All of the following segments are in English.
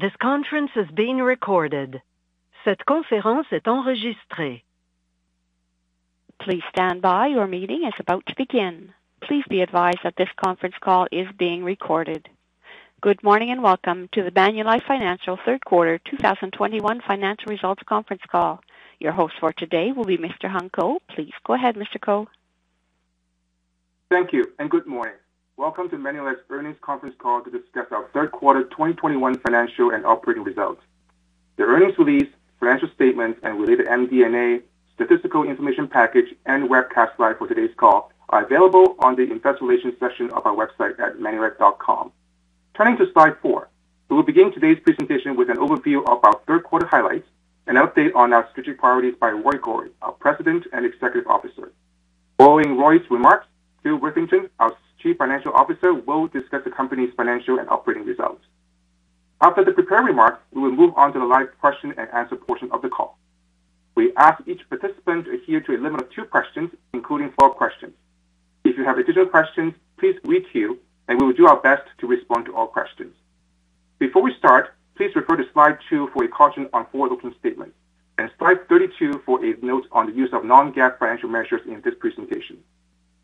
Good morning, and welcome to the Manulife Financial Third Quarter 2021 Financial Results Conference Call. Your host for today will be Mr. Hung Ko. Please go ahead, Mr. Ko. Thank you and good morning. Welcome to Manulife's Earnings Conference Call to discuss our Third Quarter 2021 Financial and Operating Results. The earnings release, financial statements and related MD&A, statistical information package and webcast slide for today's call are available on the investor relations section of our website at manulife.com. Turning to slide four. We will begin today's presentation with an overview of our third quarter highlights, an update on our strategic priorities by Roy Gori, our President and Chief Executive Officer. Following Roy's remarks, Phil Witherington, our Chief Financial Officer, will discuss the company's financial and operating results. After the prepared remarks, we will move on to the live question-and-answer portion of the call. We ask each participant to adhere to a limit of two questions, including follow-up questions. If you have additional questions, please wait here, and we will do our best to respond to all questions. Before we start, please refer to slide two for a caution on forward-looking statements and slide 32 for a note on the use of non-GAAP financial measures in this presentation.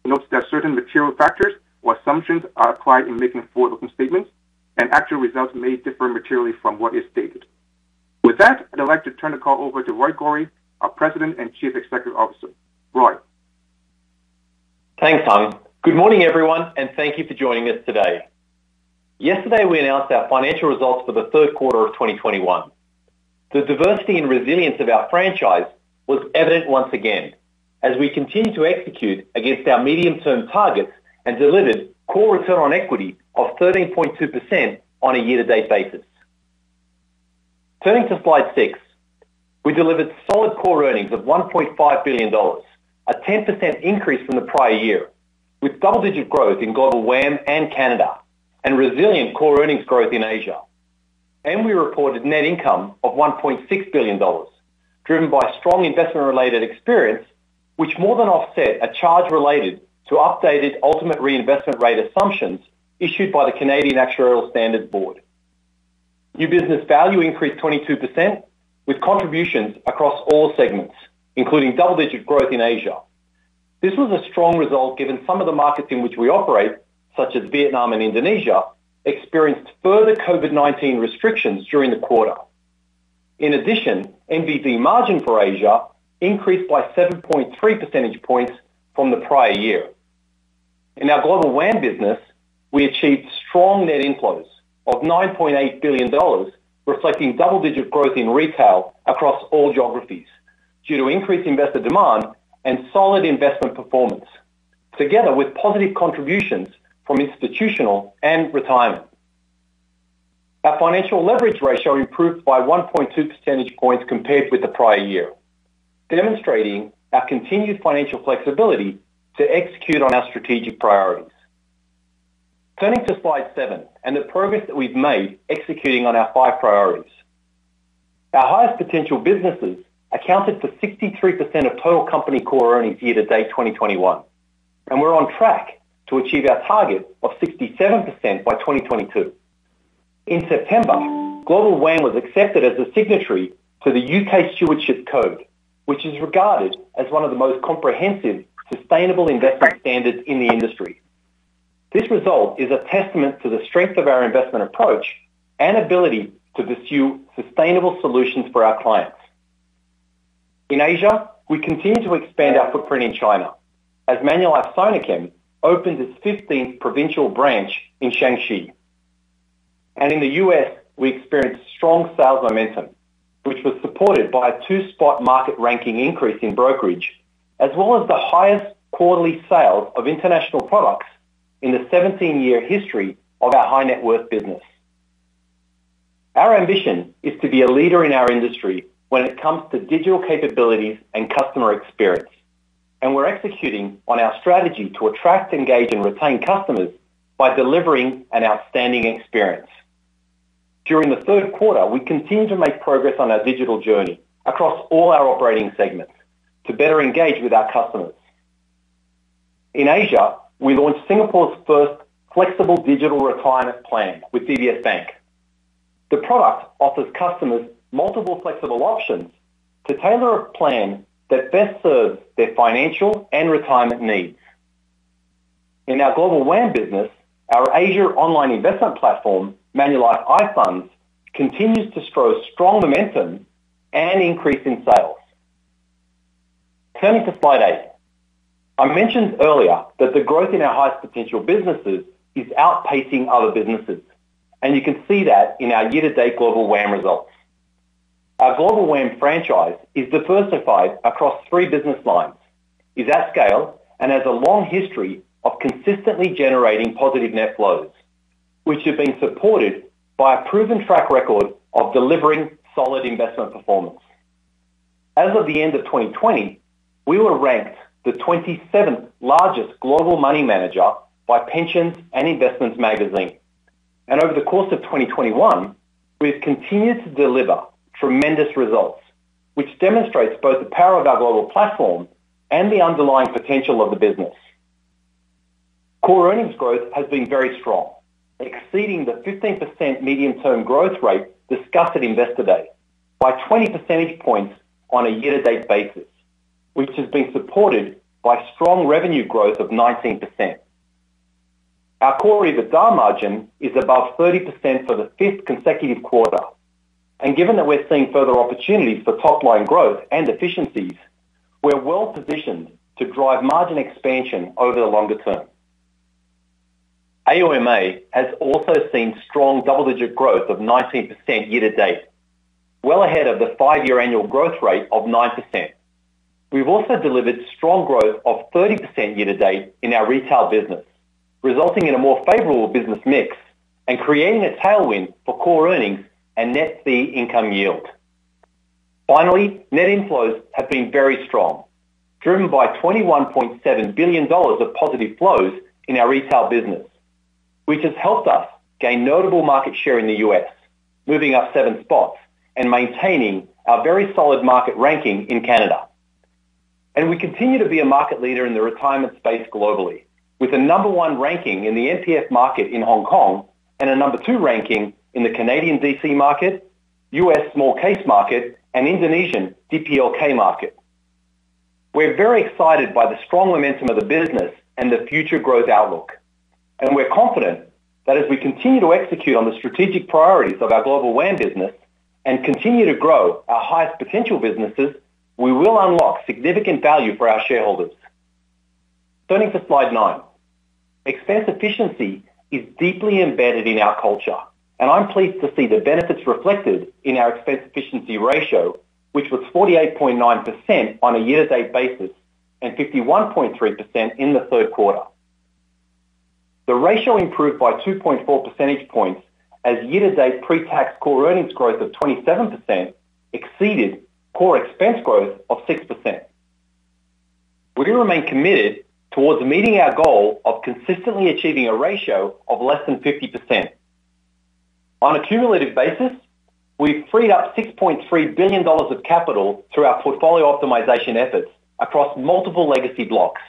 Note that certain material factors or assumptions are applied in making forward-looking statements, and actual results may differ materially from what is stated. With that, I'd like to turn the call over to Roy Gori, our President and Chief Executive Officer. Roy? Thanks, Hung. Good morning, everyone, and thank you for joining us today. Yesterday, we announced our financial results for the third quarter of 2021. The diversity and resilience of our franchise was evident once again as we continue to execute against our medium-term targets and delivered core return on equity of 13.2% on a year-to-date basis. Turning to slide six, we delivered solid core earnings of 1.5 billion dollars, a 10% increase from the prior year, with double-digit growth in Global WAM and Canada and resilient core earnings growth in Asia. We reported net income of 1.6 billion dollars, driven by strong investment-related experience, which more than offset a charge related to updated ultimate reinvestment rate assumptions issued by the Canadian Actuarial Standards Board. New business value increased 22%, with contributions across all segments, including double-digit growth in Asia. This was a strong result given some of the markets in which we operate, such as Vietnam and Indonesia, experienced further COVID-19 restrictions during the quarter. In addition, NBV margin for Asia increased by 7.3 percentage points from the prior year. In our Global WAM business, we achieved strong net inflows of $9.8 billion, reflecting double-digit growth in retail across all geographies due to increased investor demand and solid investment performance, together with positive contributions from institutional and retirement. Our financial leverage ratio improved by 1.2 percentage points compared with the prior year, demonstrating our continued financial flexibility to execute on our strategic priorities. Turning to slide seven and the progress that we've made executing on our five priorities. Our highest potential businesses accounted for 63% of total company core earnings year to date 2021, and we're on track to achieve our target of 67% by 2022. In September, Global WAM was accepted as a signatory to the U.K. Stewardship Code, which is regarded as one of the most comprehensive, sustainable investment standards in the industry. This result is a testament to the strength of our investment approach and ability to pursue sustainable solutions for our clients. In Asia, we continue to expand our footprint in China as Manulife-Sinochem opened its 15th provincial branch in Shanxi. In the U.S., we experienced strong sales momentum, which was supported by a two-spot market ranking increase in brokerage, as well as the highest quarterly sales of international products in the 17-year history of our high-net-worth business. Our ambition is to be a leader in our industry when it comes to digital capabilities and customer experience, and we're executing on our strategy to attract, engage, and retain customers by delivering an outstanding experience. During the third quarter, we continued to make progress on our digital journey across all our operating segments to better engage with our customers. In Asia, we launched Singapore's first flexible digital retirement plan with DBS Bank. The product offers customers multiple flexible options to tailor a plan that best serves their financial and retirement needs. In our Global WAM business, our Asia online investment platform, Manulife iFUNDS, continues to show strong momentum and increase in sales. Turning to slide eight. I mentioned earlier that the growth in our highest potential businesses is outpacing other businesses, and you can see that in our year-to-date Global WAM results. Our Global WAM franchise is diversified across three business lines, is at scale, and has a long history of consistently generating positive net flows, which have been supported by a proven track record of delivering solid investment performance. As of the end of 2020, we were ranked the 27th largest global money manager by Pensions & Investments magazine. Over the course of 2021, we've continued to deliver tremendous results, which demonstrates both the power of our global platform and the underlying potential of the business. Core earnings growth has been very strong, exceeding the 15% medium-term growth rate discussed at Investor Day by 20 percentage points on a year-to-date basis, which has been supported by strong revenue growth of 19%. Our core EBITDA margin is above 30% for the fifth consecutive quarter. Given that we're seeing further opportunities for top-line growth and efficiencies, we're well positioned to drive margin expansion over the longer term. AUMA has also seen strong double-digit growth of 19% year to date, well ahead of the 5-year annual growth rate of 9%. We've also delivered strong growth of 30% year to date in our retail business, resulting in a more favorable business mix and creating a tailwind for core earnings and net fee income yield. Finally, net inflows have been very strong, driven by $21.7 billion of positive flows in our retail business, which has helped us gain notable market share in the U.S., moving up seven spots and maintaining our very solid market ranking in Canada. We continue to be a market leader in the retirement space globally with a number one ranking in the MPF market in Hong Kong and a number two ranking in the Canadian DC market, U.S. small case market, and Indonesian DPLK market. We're very excited by the strong momentum of the business and the future growth outlook. We're confident that as we continue to execute on the strategic priorities of our Global WAM business and continue to grow our highest potential businesses, we will unlock significant value for our shareholders. Turning to slide nine. Expense efficiency is deeply embedded in our culture, and I'm pleased to see the benefits reflected in our expense efficiency ratio, which was 48.9% on a year-to-date basis, and 51.3% in the third quarter. The ratio improved by 2.4 percentage points as year-to-date pre-tax core earnings growth of 27% exceeded core expense growth of 6%. We remain committed towards meeting our goal of consistently achieving a ratio of less than 50%. On a cumulative basis, we freed up 6.3 billion dollars of capital through our portfolio optimization efforts across multiple legacy blocks.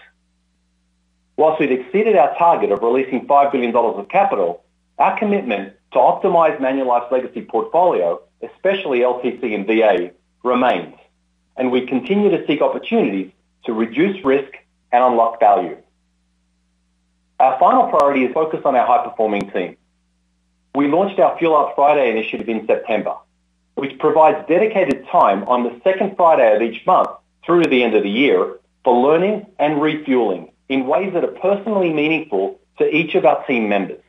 While we've exceeded our target of releasing 5 billion dollars of capital, our commitment to optimize Manulife's legacy portfolio, especially LTC and VA, remains, and we continue to seek opportunities to reduce risk and unlock value. Our final priority is focused on our high-performing team. We launched our Fuel Up Friday initiative in September, which provides dedicated time on the second Friday of each month through to the end of the year for learning and refueling in ways that are personally meaningful to each of our team members.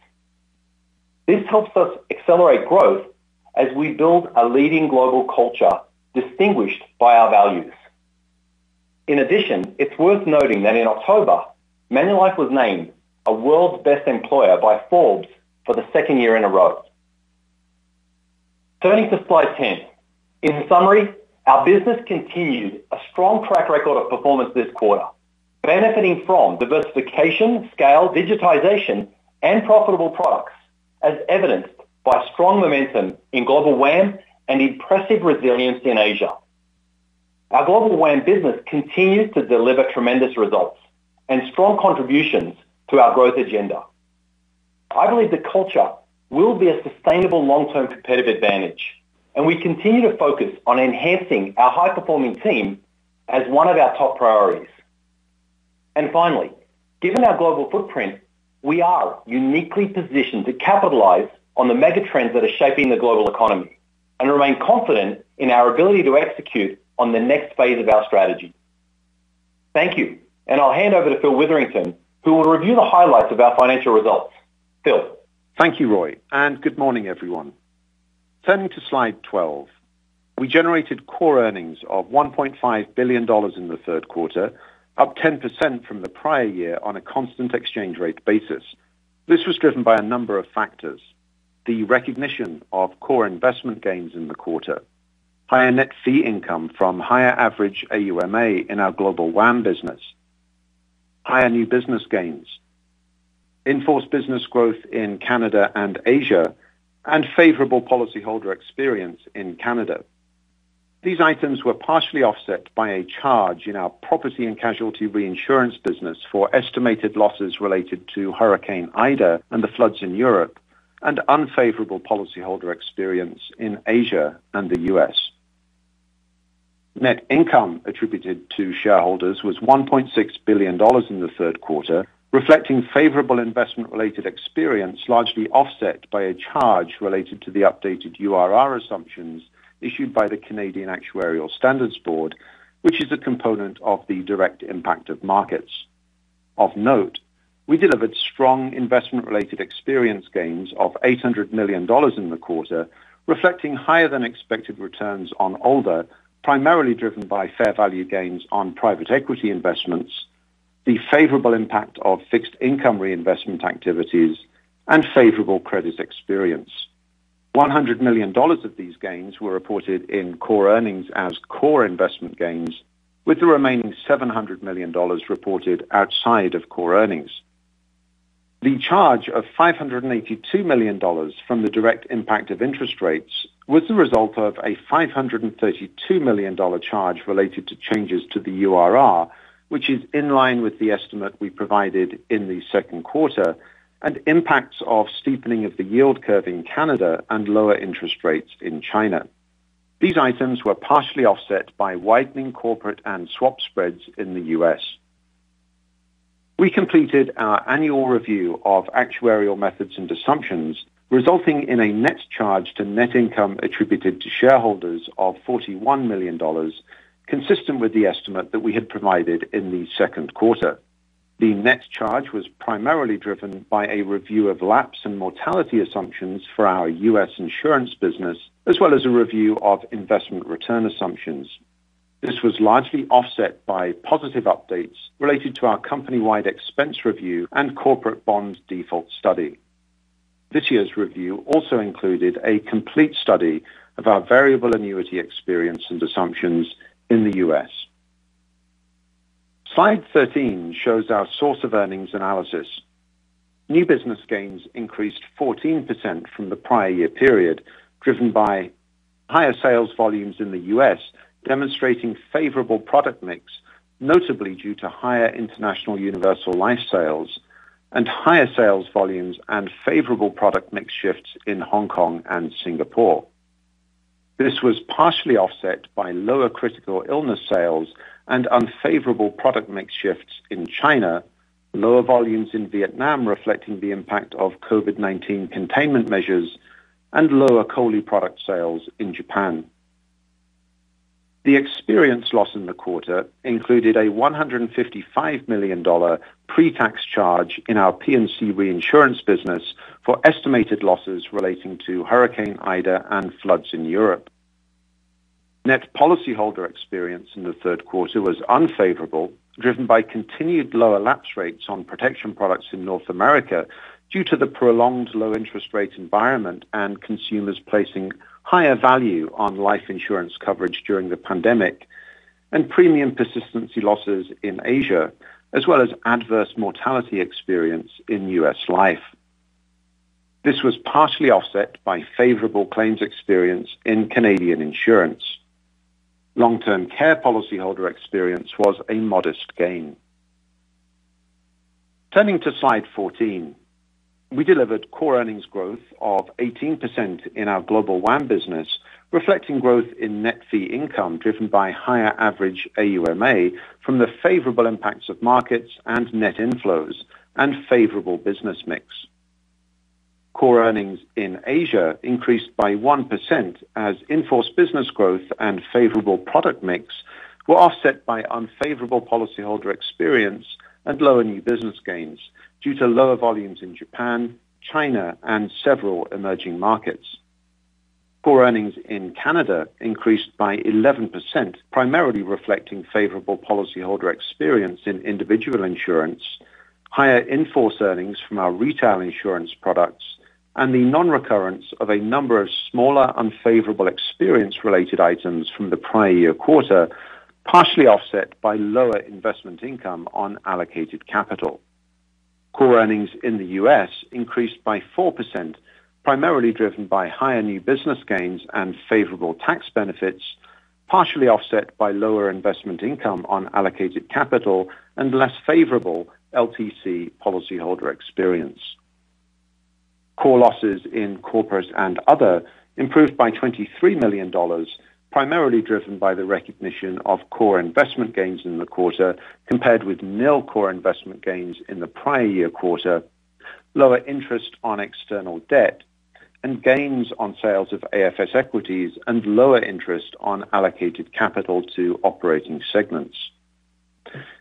This helps us accelerate growth as we build a leading global culture distinguished by our values. In addition, it's worth noting that in October, Manulife was named a World's Best Employer by Forbes for the second year in a row. Turning to slide 10. In summary, our business continued a strong track record of performance this quarter, benefiting from diversification, scale, digitization, and profitable products as evidenced by strong momentum in Global WAM and impressive resilience in Asia. Our Global WAM business continues to deliver tremendous results and strong contributions to our growth agenda. I believe the culture will be a sustainable long-term competitive advantage, and we continue to focus on enhancing our high-performing team as one of our top priorities. Finally, given our global footprint, we are uniquely positioned to capitalize on the mega trends that are shaping the global economy and remain confident in our ability to execute on the next phase of our strategy. Thank you. I'll hand over to Phil Witherington, who will review the highlights of our financial results. Phil? Thank you, Roy, and good morning, everyone. Turning to slide 12. We generated core earnings of 1.5 billion dollars in the third quarter, up 10% from the prior year on a constant exchange rate basis. This was driven by a number of factors. The recognition of core investment gains in the quarter, higher net fee income from higher average AUMA in our Global WAM business, higher new business gains, in-force business growth in Canada and Asia, and favorable policyholder experience in Canada. These items were partially offset by a charge in our property and casualty reinsurance business for estimated losses related to Hurricane Ida, the floods in Europe, and unfavorable policyholder experience in Asia and the U.S. Net income attributed to shareholders was 1.6 billion dollars in the third quarter, reflecting favorable investment-related experience, largely offset by a charge related to the updated URR assumptions issued by the Canadian Actuarial Standards Board, which is a component of the direct impact of markets. Of note, we delivered strong investment-related experience gains of 800 million dollars in the quarter, reflecting higher than expected returns on ALDA, primarily driven by fair value gains on private equity investments, the favorable impact of fixed income reinvestment activities, and favorable credit experience. 100 million dollars of these gains were reported in core earnings as core investment gains, with the remaining 700 million dollars reported outside of core earnings. The charge of 582 million dollars from the direct impact of interest rates was the result of a 532 million dollar charge related to changes to the URR, which is in line with the estimate we provided in the second quarter and impacts of steepening of the yield curve in Canada and lower interest rates in China. These items were partially offset by widening corporate and swap spreads in the U.S. We completed our annual review of actuarial methods and assumptions, resulting in a net charge to net income attributed to shareholders of 41 million dollars, consistent with the estimate that we had provided in the second quarter. The net charge was primarily driven by a review of lapse and mortality assumptions for our U.S. insurance business, as well as a review of investment return assumptions. This was largely offset by positive updates related to our company-wide expense review and corporate bond default study. This year's review also included a complete study of our variable annuity experience and assumptions in the U.S. Slide 13 shows our source of earnings analysis. New business gains increased 14% from the prior year period, driven by higher sales volumes in the U.S., demonstrating favorable product mix, notably due to higher international universal life sales and higher sales volumes and favorable product mix shifts in Hong Kong and Singapore. This was partially offset by lower critical illness sales and unfavorable product mix shifts in China, lower volumes in Vietnam, reflecting the impact of COVID-19 containment measures and lower COLI product sales in Japan. The experience loss in the quarter included a $155 million pre-tax charge in our P&C reinsurance business for estimated losses relating to Hurricane Ida and floods in Europe. Net policyholder experience in the third quarter was unfavorable, driven by continued lower lapse rates on protection products in North America due to the prolonged low interest rate environment and consumers placing higher value on life insurance coverage during the pandemic and premium persistency losses in Asia, as well as adverse mortality experience in U.S. Life. This was partially offset by favorable claims experience in Canadian Insurance. Long-term care policyholder experience was a modest gain. Turning to slide 14. We delivered core earnings growth of 18% in our Global WAM business, reflecting growth in net fee income driven by higher average AUMA from the favorable impacts of markets and net inflows and favorable business mix. Core earnings in Asia increased by 1% as in-force business growth and favorable product mix were offset by unfavorable policyholder experience and lower new business gains due to lower volumes in Japan, China, and several emerging markets. Core earnings in Canada increased by 11%, primarily reflecting favorable policyholder experience in individual insurance, higher in-force earnings from our retail insurance products, and the non-recurrence of a number of smaller unfavorable experience related items from the prior year quarter, partially offset by lower investment income on allocated capital. Core earnings in the U.S. increased by 4%, primarily driven by higher new business gains and favorable tax benefits, partially offset by lower investment income on allocated capital and less favorable LTC policyholder experience. Core losses in corporates and other improved by 23 million dollars, primarily driven by the recognition of core investment gains in the quarter compared with nil core investment gains in the prior year quarter, lower interest on external debt and gains on sales of AFS equities and lower interest on allocated capital to operating segments.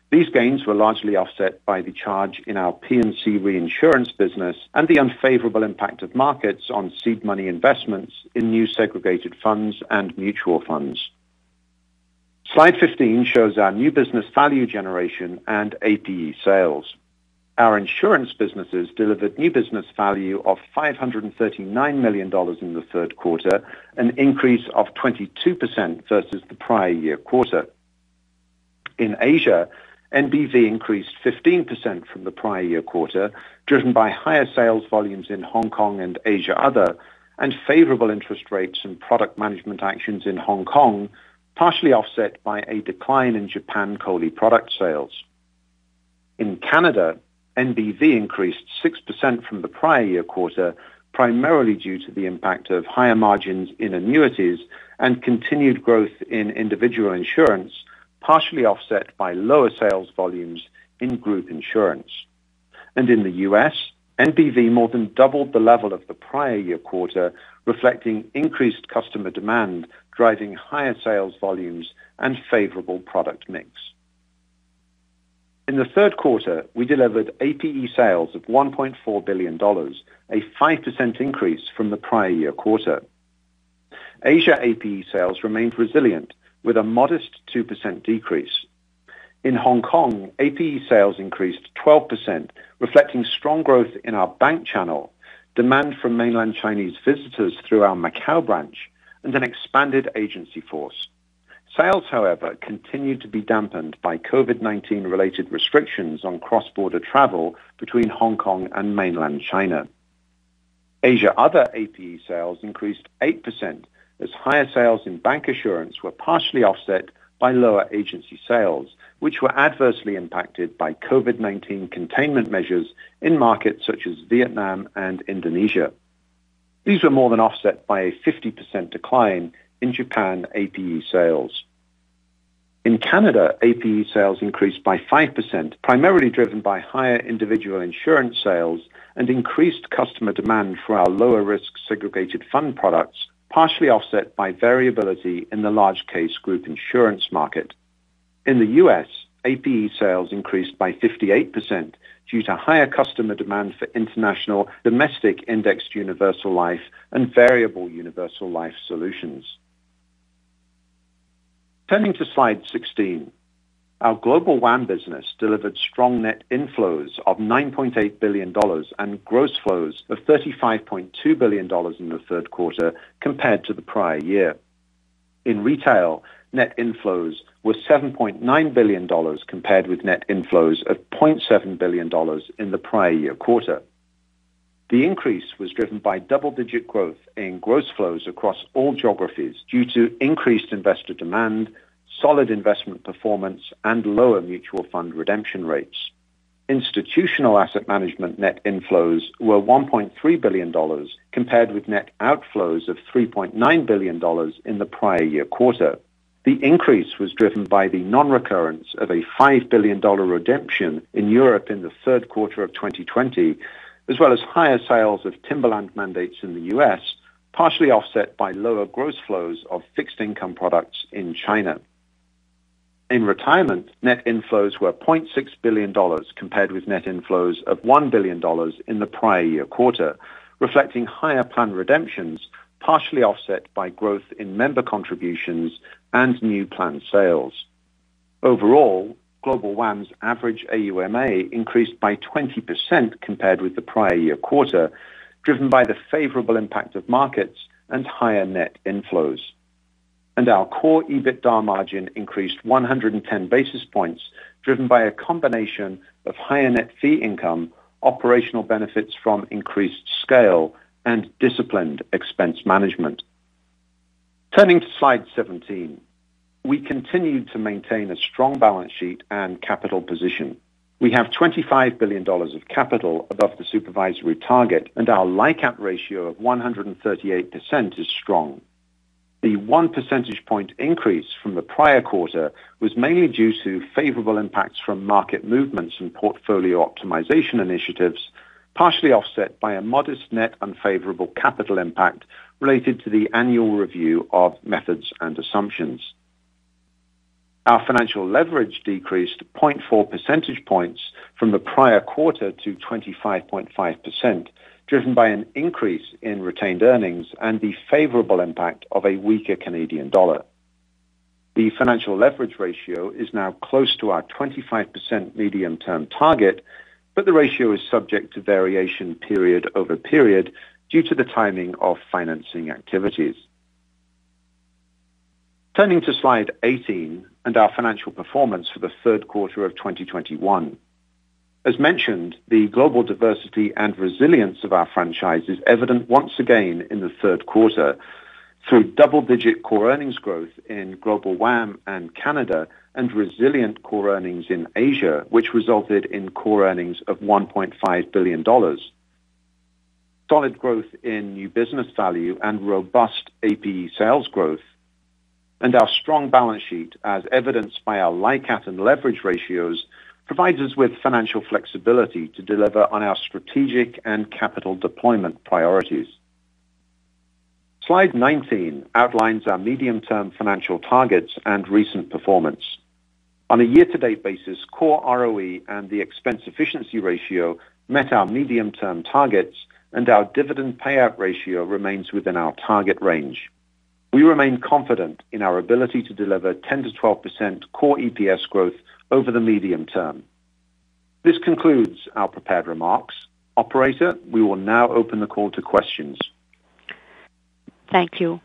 These gains were largely offset by the charge in our P&C reinsurance business and the unfavorable impact of markets on seed money investments in new segregated funds and mutual funds. Slide 15 shows our new business value generation and APE sales. Our insurance businesses delivered new business value of 539 million dollars in the third quarter, an increase of 22% versus the prior year quarter. In Asia, NBV increased 15% from the prior year quarter, driven by higher sales volumes in Hong Kong and Asia Other, and favorable interest rates and product management actions in Hong Kong, partially offset by a decline in Japan COLI product sales. In Canada, NBV increased 6% from the prior year quarter, primarily due to the impact of higher margins in annuities and continued growth in individual insurance, partially offset by lower sales volumes in group insurance. In the U.S., NBV more than doubled the level of the prior year quarter, reflecting increased customer demand, driving higher sales volumes and favorable product mix. In the third quarter, we delivered APE sales of 1.4 billion dollars, a 5% increase from the prior year quarter. Asia APE sales remained resilient with a modest 2% decrease. In Hong Kong, APE sales increased 12%, reflecting strong growth in our bank channel, demand from mainland Chinese visitors through our Macau branch and an expanded agency force. Sales, however, continued to be dampened by COVID-19 related restrictions on cross-border travel between Hong Kong and mainland China. Asia other APE sales increased 8% as higher sales in bancassurance were partially offset by lower agency sales, which were adversely impacted by COVID-19 containment measures in markets such as Vietnam and Indonesia. These were more than offset by a 50% decline in Japan APE sales. In Canada, APE sales increased by 5%, primarily driven by higher individual insurance sales and increased customer demand for our lower-risk segregated fund products, partially offset by variability in the large case group insurance market. In the U.S., APE sales increased by 58% due to higher customer demand for international domestic indexed universal life and variable universal life solutions. Turning to slide 16. Our Global WAM business delivered strong net inflows of $9.8 billion and gross flows of $35.2 billion in the third quarter compared to the prior year. In retail, net inflows were $7.9 billion compared with net inflows of $0.7 billion in the prior year quarter. The increase was driven by double-digit growth in gross flows across all geographies due to increased investor demand, solid investment performance, and lower mutual fund redemption rates. Institutional asset management net inflows were CAD 1.3 billion compared with net outflows of CAD 3.9 billion in the prior year quarter. The increase was driven by the non-recurrence of a 5 billion dollar redemption in Europe in the third quarter of 2020, as well as higher sales of Timberland mandates in the U.S., partially offset by lower gross flows of fixed income products in China. In retirement, net inflows were 0.6 billion dollars compared with net inflows of 1 billion dollars in the prior year quarter, reflecting higher planned redemptions, partially offset by growth in member contributions and new plan sales. Overall, Global WAM's average AUMA increased by 20% compared with the prior year quarter, driven by the favorable impact of markets and higher net inflows. Our core EBITDA margin increased 110 basis points, driven by a combination of higher net fee income, operational benefits from increased scale, and disciplined expense management. Turning to slide 17. We continued to maintain a strong balance sheet and capital position. We have 25 billion dollars of capital above the supervisory target, and our LICAT ratio of 138% is strong. The 1 percentage point increase from the prior quarter was mainly due to favorable impacts from market movements and portfolio optimization initiatives, partially offset by a modest net unfavorable capital impact related to the annual review of methods and assumptions. Our financial leverage decreased 0.4 percentage points from the prior quarter to 25.5%, driven by an increase in retained earnings and the favorable impact of a weaker Canadian dollar. The financial leverage ratio is now close to our 25% medium-term target, but the ratio is subject to variation period over period due to the timing of financing activities. Turning to slide 18 and our financial performance for the third quarter of 2021. As mentioned, the global diversity and resilience of our franchise is evident once again in the third quarter through double-digit core earnings growth in Global WAM and Canada and resilient core earnings in Asia, which resulted in core earnings of 1.5 billion dollars. Solid growth in new business value and robust APE sales growth and our strong balance sheet, as evidenced by our LICAT and leverage ratios, provides us with financial flexibility to deliver on our strategic and capital deployment priorities. Slide 19 outlines our medium-term financial targets and recent performance. On a year-to-date basis, core ROE and the expense efficiency ratio met our medium-term targets, and our dividend payout ratio remains within our target range. We remain confident in our ability to deliver 10%-12% core EPS growth over the medium term. This concludes our prepared remarks. Operator, we will now open the call to questions. Thank you.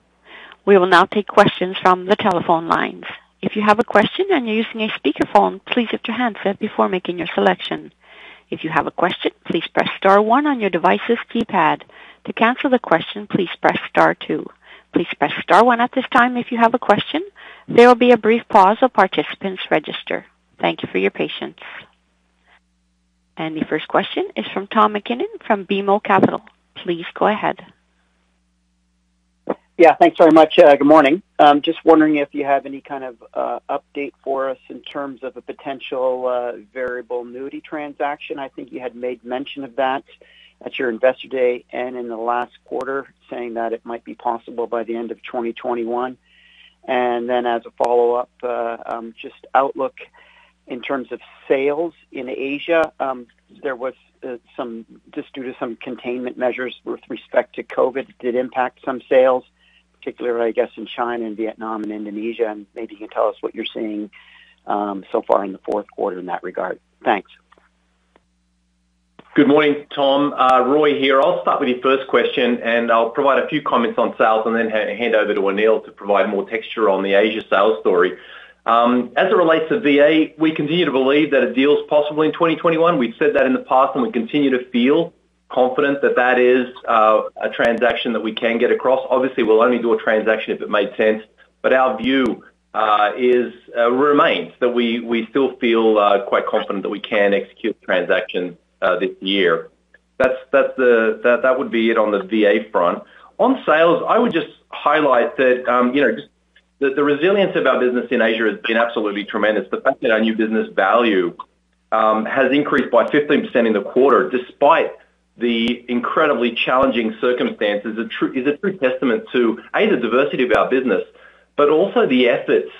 We will now take questions from the telephone lines. If you have a question and your using a speaker phone, please get your headset before making a selection. If you have question please press star one on your devices keypad. To cancel the question please press star two. Please press star one at this time if you have a question, there will be a brief pause of participants register. Thank you for your patience. The first question is from Tom MacKinnon from BMO Capital Markets. Please go ahead. Yeah, thanks very much. Good morning. I'm just wondering if you have any kind of update for us in terms of a potential variable annuity transaction. I think you had made mention of that at your Investor Day and in the last quarter, saying that it might be possible by the end of 2021. As a follow-up, just outlook in terms of sales in Asia, just due to some containment measures with respect to COVID did impact some sales, particularly, I guess, in China and Vietnam and Indonesia. Maybe you can tell us what you're seeing so far in the fourth quarter in that regard. Thanks. Good morning, Tom. Roy here. I'll start with your first question, and I'll provide a few comments on sales and then hand over to Anil to provide more texture on the Asia sales story. As it relates to VA, we continue to believe that a deal is possible in 2021. We've said that in the past, and we continue to feel confident that that is a transaction that we can get across. Obviously, we'll only do a transaction if it makes sense. Our view remains that we still feel quite confident that we can execute the transaction this year. That's it on the VA front. On sales, I would just highlight that you know just the resilience of our business in Asia has been absolutely tremendous. The fact that our new business value has increased by 15% in the quarter despite the incredibly challenging circumstances is a true testament to the diversity of our business, but also the efforts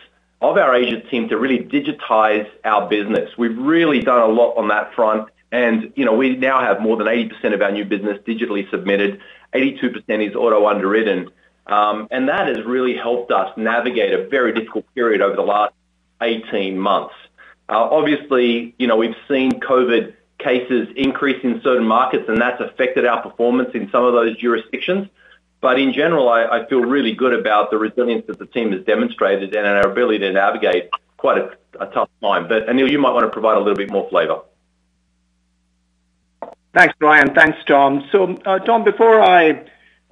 of our Asian team to really digitize our business. We've really done a lot on that front, and, you know, we now have more than 80% of our new business digitally submitted. 82% is auto underwritten. That has really helped us navigate a very difficult period over the last 18 months. Obviously, you know, we've seen COVID cases increase in certain markets, and that's affected our performance in some of those jurisdictions. In general, I feel really good about the resilience that the team has demonstrated and our ability to navigate quite a tough time. Anil, you might want to provide a little bit more flavor. Thanks, Roy. Thanks, Tom. Tom, before I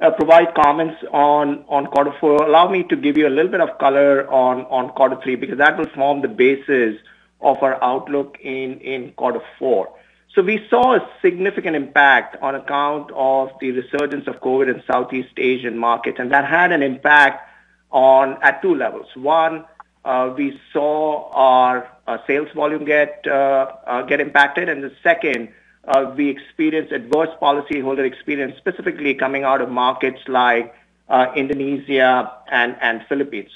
provide comments on quarter four, allow me to give you a little bit of color on quarter three, because that will form the basis of our outlook in quarter four. We saw a significant impact on account of the resurgence of COVID in Southeast Asian markets, and that had an impact at two levels. One, we saw our sales volume get impacted. The second, we experienced adverse policyholder experience, specifically coming out of markets like Indonesia and Philippines.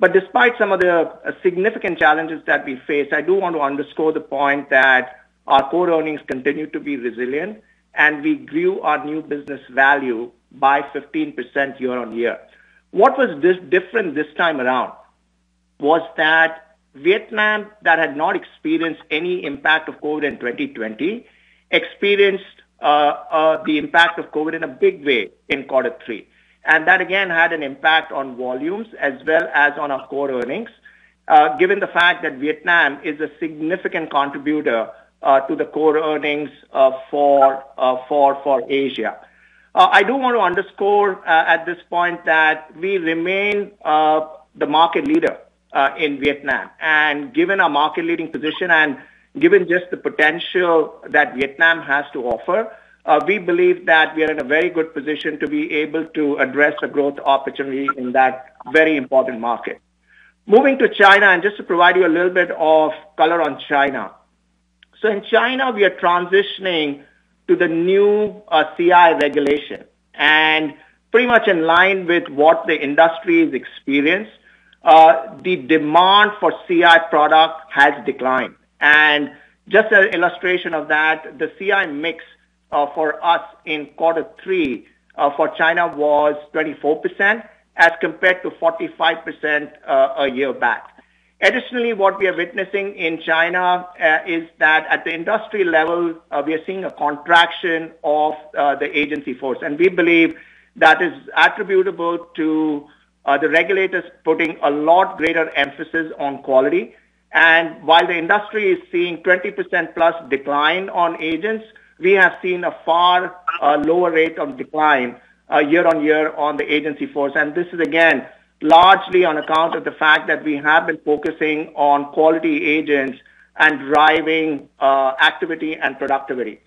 Despite some of the significant challenges that we face, I do want to underscore the point that our core earnings continue to be resilient, and we grew our new business value by 15% year-over-year. What was this different this time around was that Vietnam, that had not experienced any impact of COVID in 2020, experienced the impact of COVID in a big way in quarter three. That again had an impact on volumes as well as on our core earnings, given the fact that Vietnam is a significant contributor to the core earnings for Asia. I do want to underscore at this point that we remain the market leader in Vietnam. Given our market-leading position and given just the potential that Vietnam has to offer, we believe that we are in a very good position to be able to address the growth opportunity in that very important market. Moving to China and just to provide you a little bit of color on China. In China, we are transitioning to the new CI regulation. Pretty much in line with what the industry has experienced, the demand for CI product has declined. Just an illustration of that, the CI mix for us in quarter three for China was 24% as compared to 45% a year back. Additionally, what we are witnessing in China is that at the industry level, we are seeing a contraction of the agency force. We believe that is attributable to the regulators putting a lot greater emphasis on quality. While the industry is seeing 20% plus decline on agents, we have seen a far lower rate of decline year-on-year on the agency force. This is again, largely on account of the fact that we have been focusing on quality agents and driving, activity and productivity.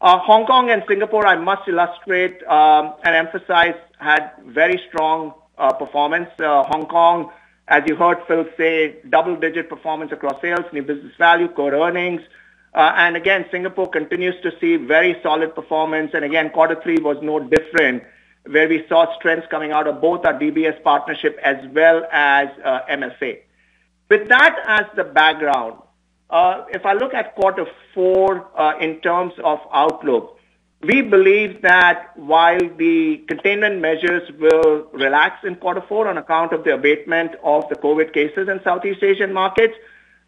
Hong Kong and Singapore, I must illustrate, and emphasize, had very strong, performance. Hong Kong, as you heard Phil say, double-digit performance across sales, new business value, core earnings. Singapore continues to see very solid performance. Quarter three was no different, where we saw strengths coming out of both our DBS partnership as well as, MAS. With that as the background, if I look at quarter four, in terms of outlook, we believe that while the containment measures will relax in quarter four on account of the abatement of the COVID cases in Southeast Asian markets,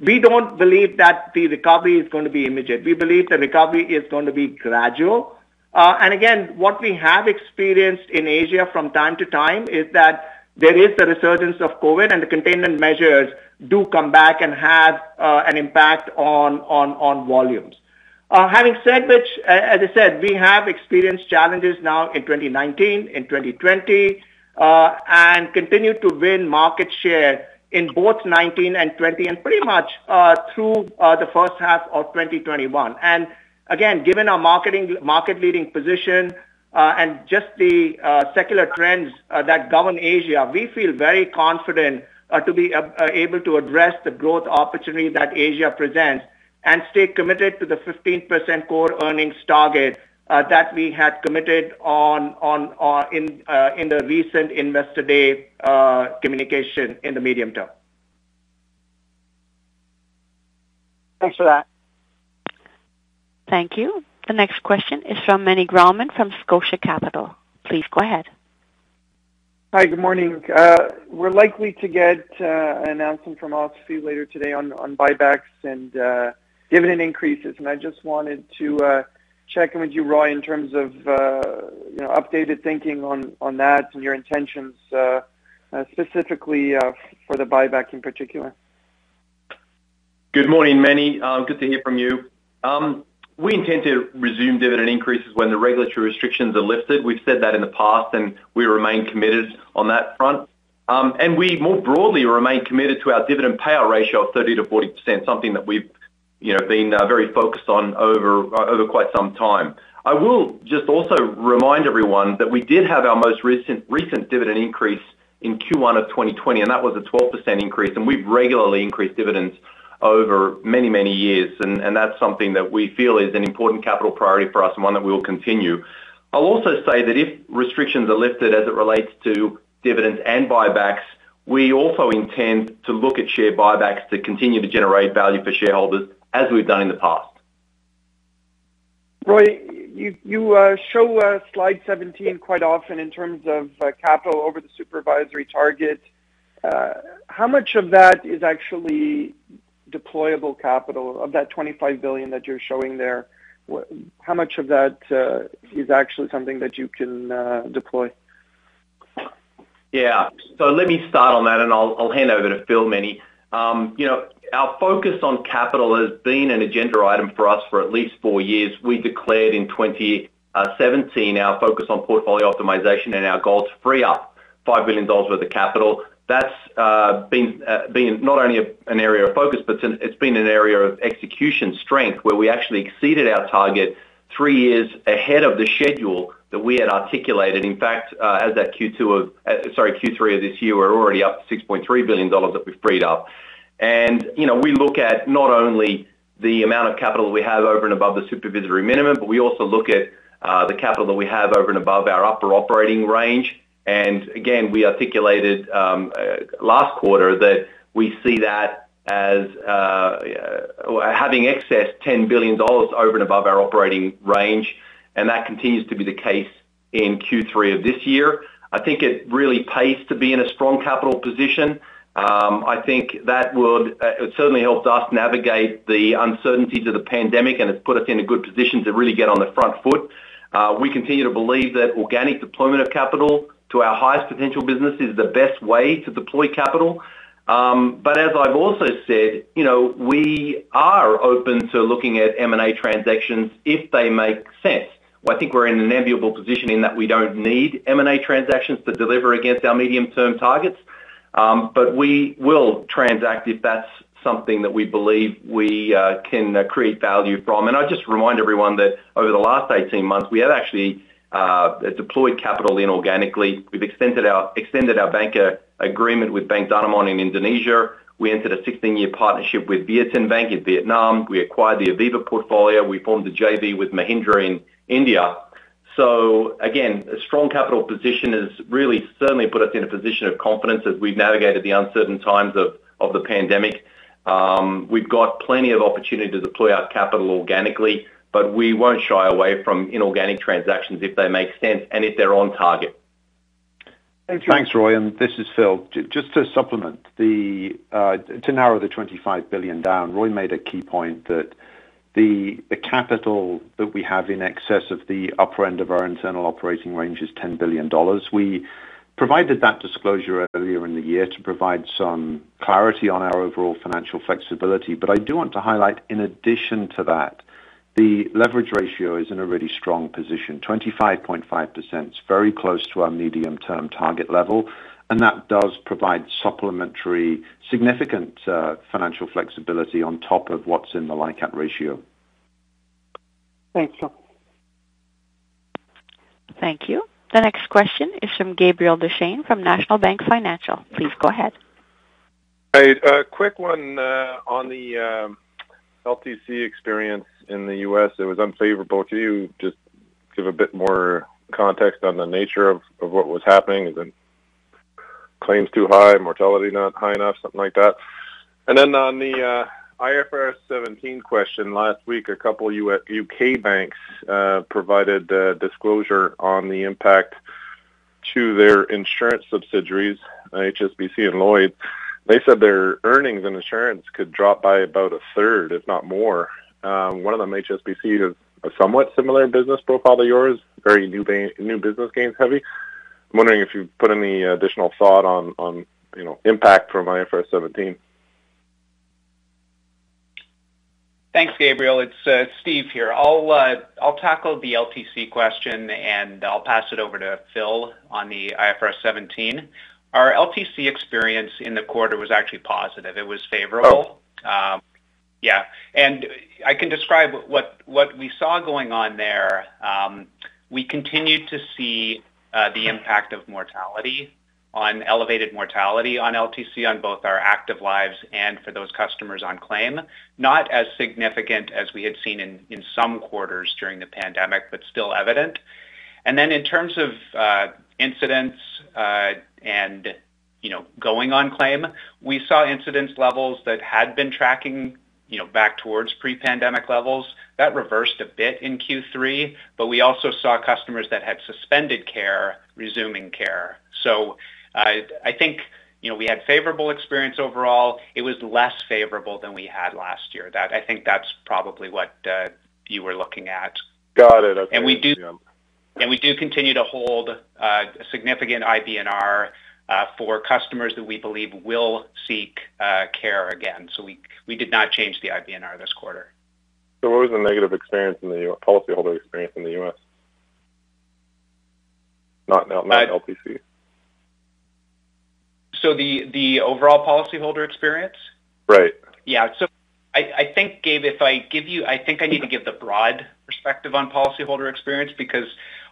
we don't believe that the recovery is going to be immediate. We believe the recovery is going to be gradual. Again, what we have experienced in Asia from time to time is that there is the resurgence of COVID and the containment measures do come back and have an impact on volumes. Having said which, as I said, we have experienced challenges not in 2019, in 2020, and continue to win market share in both 2019 and 2020 and pretty much through the first half of 2021. Given our market-leading position and just the secular trends that govern Asia, we feel very confident to be able to address the growth opportunity that Asia presents and stay committed to the 15% core earnings target that we had committed on in the recent Investor Day communication in the medium term. Thanks for that. Thank you. The next question is from Meny Grauman from Scotia Capital. Please go ahead. Hi, good morning. We're likely to get an announcement from OSFI later today on buybacks and dividend increases. I just wanted to check in with you, Roy, in terms of you know, updated thinking on that and your intentions specifically for the buyback in particular. Good morning, Meny. Good to hear from you. We intend to resume dividend increases when the regulatory restrictions are lifted. We've said that in the past, and we remain committed on that front. We more broadly remain committed to our dividend payout ratio of 30%-40%, something that we've, you know, been very focused on over quite some time. I will just also remind everyone that we did have our most recent dividend increase in Q1 of 2020, and that was a 12% increase, and we've regularly increased dividends over many years. That's something that we feel is an important capital priority for us and one that we will continue. I'll also say that if restrictions are lifted as it relates to dividends and buybacks, we also intend to look at share buybacks that continue to generate value for shareholders as we've done in the past. Roy, you show slide 17 quite often in terms of capital over the supervisory targets. How much of that is actually deployable capital, of that 25 billion that you're showing there, how much of that is actually something that you can deploy? Let me start on that, and I'll hand over to Phil. Meny. You know, our focus on capital has been an agenda item for us for at least four years. We declared in 2017 our focus on portfolio optimization and our goal to free up 5 billion dollars worth of capital. That's been not only an area of focus, but it's been an area of execution strength, where we actually exceeded our target three years ahead of the schedule that we had articulated. In fact, as of Q3 of this year, we're already up to 6.3 billion dollars that we've freed up. You know, we look at not only the amount of capital we have over and above the supervisory minimum, but we also look at the capital that we have over and above our upper operating range. We articulated last quarter that we see that as having excess 10 billion dollars over and above our operating range, and that continues to be the case in Q3 of this year. I think it really pays to be in a strong capital position. It certainly helped us navigate the uncertainties of the pandemic, and it's put us in a good position to really get on the front foot. We continue to believe that organic deployment of capital to our highest potential business is the best way to deploy capital. As I've also said, you know, we are open to looking at M&A transactions if they make sense. Well, I think we're in an enviable position in that we don't need M&A transactions to deliver against our medium-term targets. We will transact if that's something that we believe we can create value from. I'd just remind everyone that over the last 18 months, we have actually deployed capital inorganically. We've extended our bank agreement with Bank Danamon in Indonesia. We entered a 16-year partnership with VietinBank in Vietnam. We acquired the Aviva portfolio. We formed a JV with Mahindra in India. Again, a strong capital position has really certainly put us in a position of confidence as we've navigated the uncertain times of the pandemic. We've got plenty of opportunity to deploy our capital organically, but we won't shy away from inorganic transactions if they make sense and if they're on target. Thank you. Thanks, Roy. This is Phil. Just to supplement the, to narrow the 25 billion down, Roy made a key point that the capital that we have in excess of the upper end of our internal operating range is 10 billion dollars. We provided that disclosure earlier in the year to provide some clarity on our overall financial flexibility. I do want to highlight, in addition to that, the leverage ratio is in a really strong position. 25.5% is very close to our medium-term target level, and that does provide supplementary significant financial flexibility on top of what's in the LICAT ratio. Thanks, Phil. Thank you. The next question is from Gabriel Dechaine from National Bank Financial. Please go ahead. Hey, a quick one on the LTC experience in the U.S. It was unfavorable to you. Just give a bit more context on the nature of what was happening. Is it claims too high, mortality not high enough, something like that? Then on the IFRS 17 question, last week, a couple U.K. banks provided disclosure on the impact to their insurance subsidiaries, HSBC and Lloyds. They said their earnings and insurance could drop by about a third, if not more. One of them, HSBC, is a somewhat similar business profile to yours, very new business gains heavy. I'm wondering if you've put any additional thought on, you know, impact from IFRS 17. Thanks, Gabriel. It's Steve here. I'll tackle the LTC question, and I'll pass it over to Phil on the IFRS 17. Our LTC experience in the quarter was actually positive. It was favorable. Oh. Yeah. I can describe what we saw going on there. We continued to see the impact of elevated mortality on LTC on both our active lives and for those customers on claim. Not as significant as we had seen in some quarters during the pandemic, but still evident. Then in terms of incidents, and, you know, going on claim, we saw incidence levels that had been tracking, you know, back towards pre-pandemic levels. That reversed a bit in Q3, but we also saw customers that had suspended care resuming care. I think, you know, we had favorable experience overall. It was less favorable than we had last year. That, I think, that's probably what you were looking at. Got it. Okay. We continue to hold a significant IBNR for customers that we believe will seek care again. We did not change the IBNR this quarter. What was the negative experience in the policyholder experience in the U.S.? Not LTC. The overall policyholder experience? Right. Yeah. I think, Gabe, I need to give the broad perspective on policyholder experience because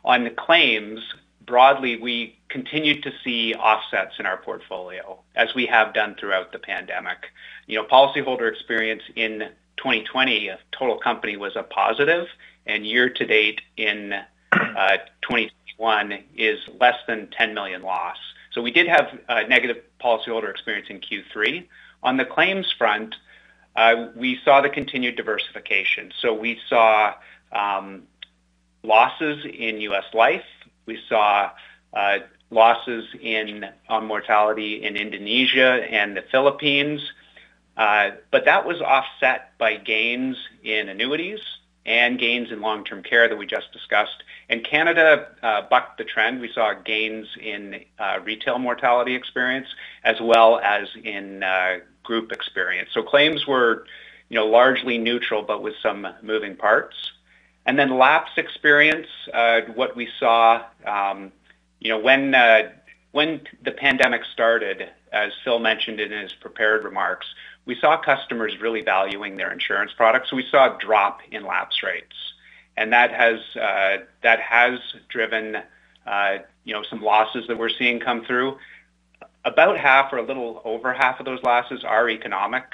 on the claims, broadly, we continued to see offsets in our portfolio as we have done throughout the pandemic. You know, policyholder experience in 2020 of total company was a positive, and year to date in 2021 is less than 10 million loss. We did have negative policyholder experience in Q3. On the claims front, we saw the continued diversification. We saw losses in U.S. Life. We saw losses on mortality in Indonesia and the Philippines, but that was offset by gains in annuities and gains in long-term care that we just discussed. Canada bucked the trend. We saw gains in retail mortality experience as well as in group experience. Claims were, you know, largely neutral, but with some moving parts. Lapse experience, what we saw, you know, when the pandemic started, as Phil mentioned in his prepared remarks, we saw customers really valuing their insurance products, so we saw a drop in lapse rates. That has driven, you know, some losses that we're seeing come through. About half or a little over half of those losses are economic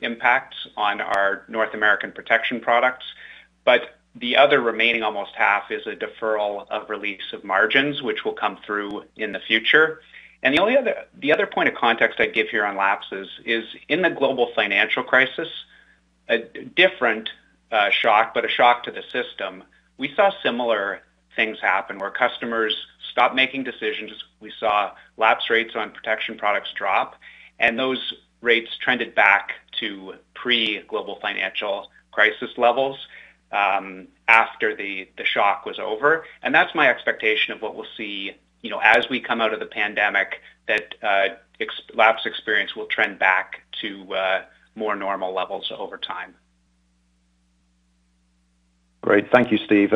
impacts on our North American protection products. The other remaining almost half is a deferral of release of margins, which will come through in the future. The other point of context I'd give here on lapses is in the global financial crisis, a different shock, but a shock to the system, we saw similar things happen where customers stopped making decisions. We saw lapse rates on protection products drop, and those rates trended back to pre-Global Financial Crisis levels after the shock was over. That's my expectation of what we'll see, you know, as we come out of the pandemic, that lapse experience will trend back to more normal levels over time. Great. Thank you, Steve.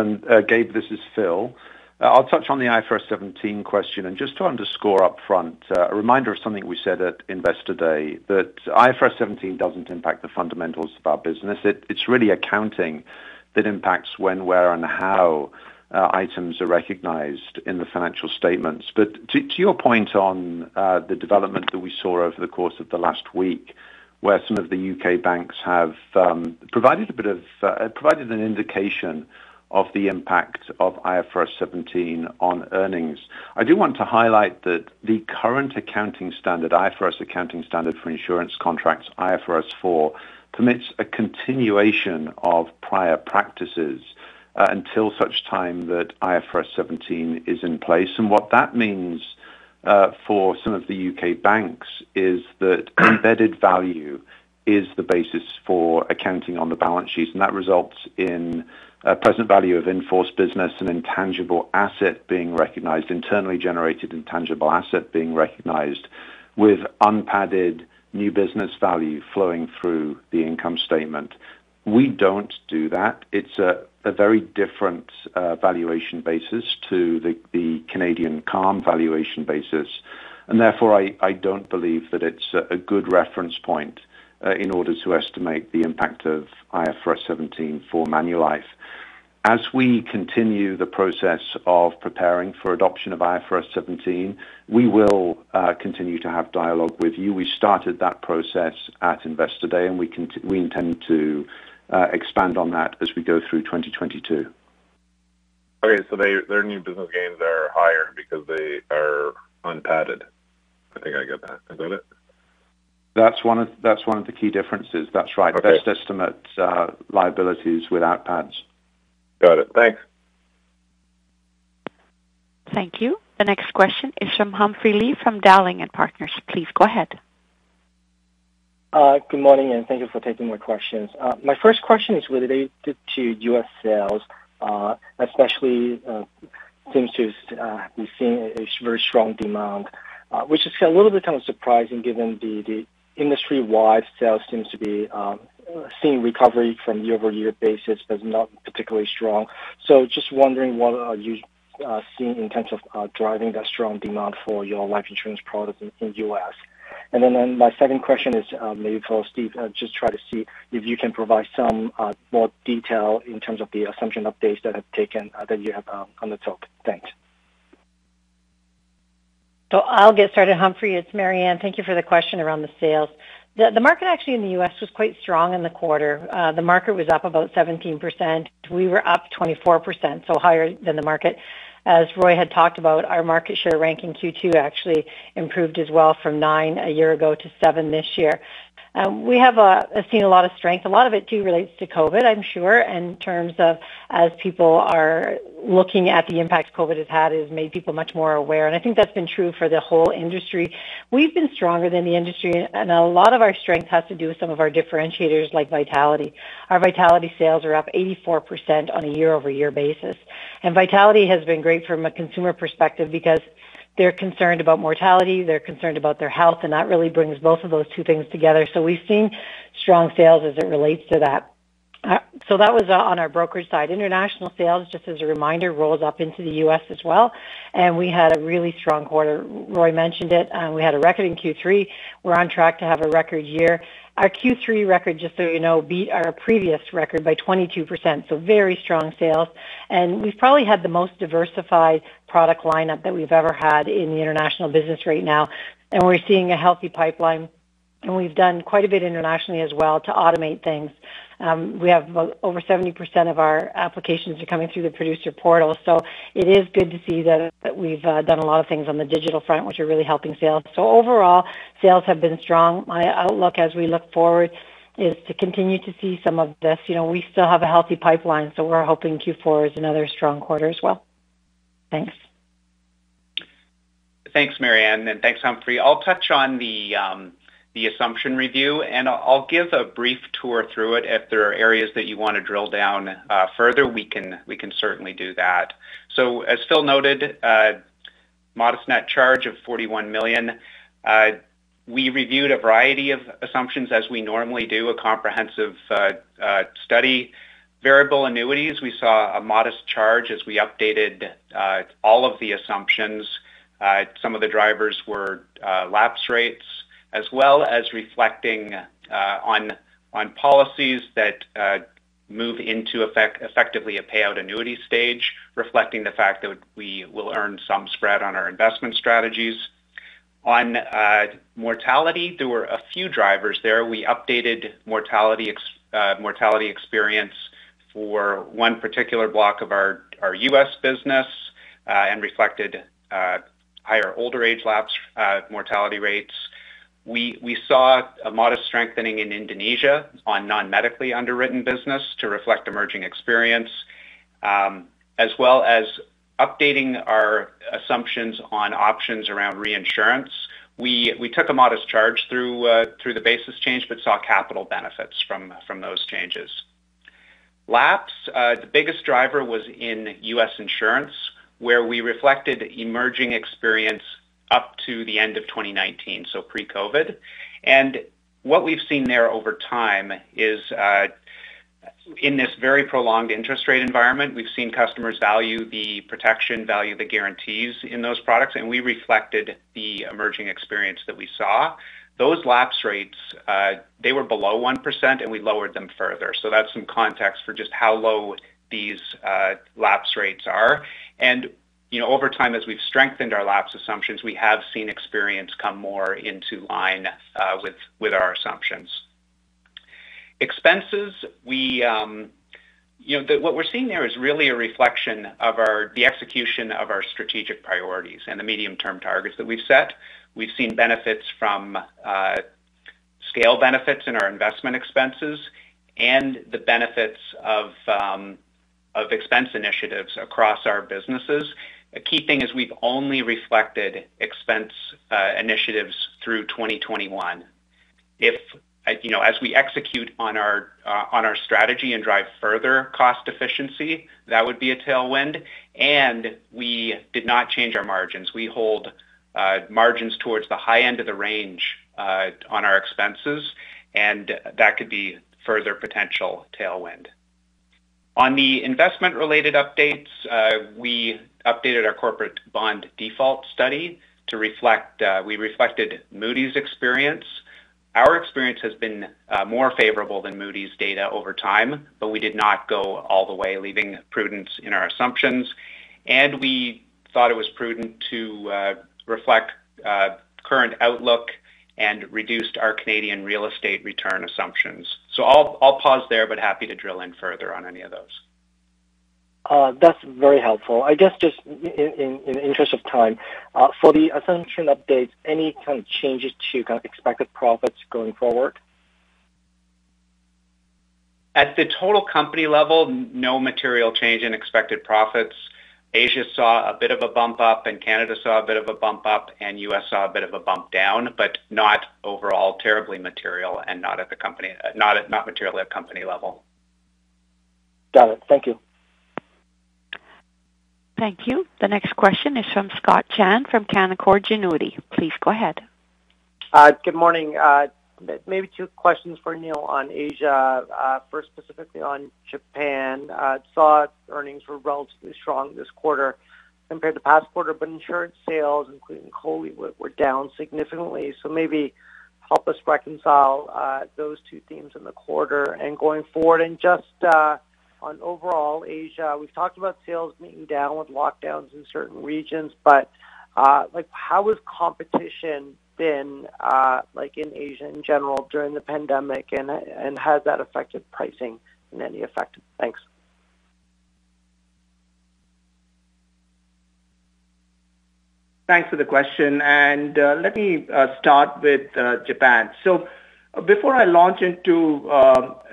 Gabe, this is Phil. I'll touch on the IFRS 17 question. Just to underscore upfront, a reminder of something we said at Investor Day, that IFRS 17 doesn't impact the fundamentals of our business. It's really accounting that impacts when, where, and how items are recognized in the financial statements. To your point on the development that we saw over the course of the last week, where some of the U.K. banks have provided a bit of an indication of the impact of IFRS 17 on earnings. I do want to highlight that the current accounting standard, IFRS accounting standard for insurance contracts, IFRS 4, permits a continuation of prior practices, until such time that IFRS 17 is in place. What that means for some of the U.K. banks is that embedded value is the basis for accounting on the balance sheets, and that results in a present value of in-force business and intangible asset being recognized, internally generated intangible asset being recognized with unpadded new business value flowing through the income statement. We don't do that. It's a very different valuation basis to the Canadian CALM valuation basis. Therefore, I don't believe that it's a good reference point in order to estimate the impact of IFRS 17 for Manulife. As we continue the process of preparing for adoption of IFRS 17, we will continue to have dialogue with you. We started that process at Investor Day, and we intend to expand on that as we go through 2022. Okay. Their new business gains are higher because they are unpadded. I think I get that. Is that it? That's one of the key differences. That's right. Okay. Best estimate liabilities without pads. Got it. Thanks. Thank you. The next question is from Humphrey Lee from Dowling & Partners. Please go ahead. Good morning, and thank you for taking my questions. My first question is related to U.S. sales, especially seems to be seeing a very strong demand, which is a little bit kind of surprising given the industry-wide sales seems to be seeing recovery on a year-over-year basis, but not particularly strong. Just wondering what are you seeing in terms of driving that strong demand for your life insurance products in the U.S. My second question is maybe for Steve, just try to see if you can provide some more detail in terms of the assumption updates that have been taken that you have on the call. Thanks. I'll get started, Humphrey. It's Marianne. Thank you for the question around the sales. The market actually in the U.S. was quite strong in the quarter. The market was up about 17%. We were up 24%, so higher than the market. As Roy had talked about, our market share rank in Q2 actually improved as well from nine a year ago to seven this year. We have seen a lot of strength. A lot of it, too, relates to COVID, I'm sure, in terms of as people are looking at the impact COVID has had, it has made people much more aware. I think that's been true for the whole industry. We've been stronger than the industry, and a lot of our strength has to do with some of our differentiators like Vitality. Our Vitality sales are up 84% on a year-over-year basis. Vitality has been great from a consumer perspective because they're concerned about mortality, they're concerned about their health, and that really brings both of those two things together. We've seen strong sales as it relates to that. That was on our brokerage side. International sales, just as a reminder, rolls up into the U.S. as well. We had a really strong quarter. Roy mentioned it. We had a record in Q3. We're on track to have a record year. Our Q3 record, just so you know, beat our previous record by 22%. Very strong sales. We've probably had the most diversified product lineup that we've ever had in the international business right now, and we're seeing a healthy pipeline. We've done quite a bit internationally as well to automate things. We have over 70% of our applications are coming through the producer portal. It is good to see that we've done a lot of things on the digital front, which are really helping sales. Overall, sales have been strong. My outlook as we look forward is to continue to see some of this. You know, we still have a healthy pipeline, so we're hoping Q4 is another strong quarter as well. Thanks. Thanks, Marianne, and thanks, Humphrey. I'll touch on the assumption review, and I'll give a brief tour through it. If there are areas that you want to drill down further, we can certainly do that. As Phil noted, modest net charge of CAD 41 million. We reviewed a variety of assumptions as we normally do a comprehensive study. Variable annuities, we saw a modest charge as we updated all of the assumptions. Some of the drivers were lapse rates as well as reflecting on policies that move into effectively a payout annuity stage, reflecting the fact that we will earn some spread on our investment strategies. On mortality, there were a few drivers there. We updated mortality experience for one particular block of our U.S. business and reflected higher older age lapse mortality rates. We saw a modest strengthening in Indonesia on non-medically underwritten business to reflect emerging experience, as well as updating our assumptions on options around reinsurance. We took a modest charge through the basis change, but saw capital benefits from those changes. Lapse, the biggest driver was in U.S. insurance, where we reflected emerging experience up to the end of 2019, so pre-COVID. What we've seen there over time is, in this very prolonged interest rate environment, we've seen customers value the protection, value the guarantees in those products, and we reflected the emerging experience that we saw. Those lapse rates, they were below 1%, and we lowered them further. That's some context for just how low these lapse rates are. You know, over time, as we've strengthened our lapse assumptions, we have seen experience come more into line with our assumptions. Expenses. We. You know, what we're seeing there is really a reflection of the execution of our strategic priorities and the medium-term targets that we've set. We've seen benefits from scale benefits in our investment expenses and the benefits of expense initiatives across our businesses. A key thing is we've only reflected expense initiatives through 2021. If, you know, as we execute on our strategy and drive further cost efficiency, that would be a tailwind, and we did not change our margins. We hold margins towards the high end of the range on our expenses, and that could be further potential tailwind. On the investment-related updates, we updated our corporate bond default study to reflect we reflected Moody's experience. Our experience has been more favorable than Moody's data over time, but we did not go all the way, leaving prudence in our assumptions. We thought it was prudent to reflect current outlook and reduced our Canadian real estate return assumptions. I'll pause there, but happy to drill in further on any of those. That's very helpful. I guess just in interest of time, for the assumption updates, any kind of changes to kind of expected profits going forward? At the total company level, no material change in expected profits. Asia saw a bit of a bump up, and Canada saw a bit of a bump up, and U.S. saw a bit of a bump down, but not overall terribly material and not materially at company level. Got it. Thank you. Thank you. The next question is from Scott Chan from Canaccord Genuity. Please go ahead. Good morning. Maybe two questions for Anil on Asia. First, specifically on Japan. Saw earnings were relatively strong this quarter compared to the past quarter, but insurance sales, including COLI, were down significantly. Maybe help us reconcile those two themes in the quarter and going forward. Just on overall Asia, we've talked about sales being down with lockdowns in certain regions, but like, how has competition been like in Asia in general during the pandemic, and has that affected pricing in any effect? Thanks. Thanks for the question, let me start with Japan. Before I launch into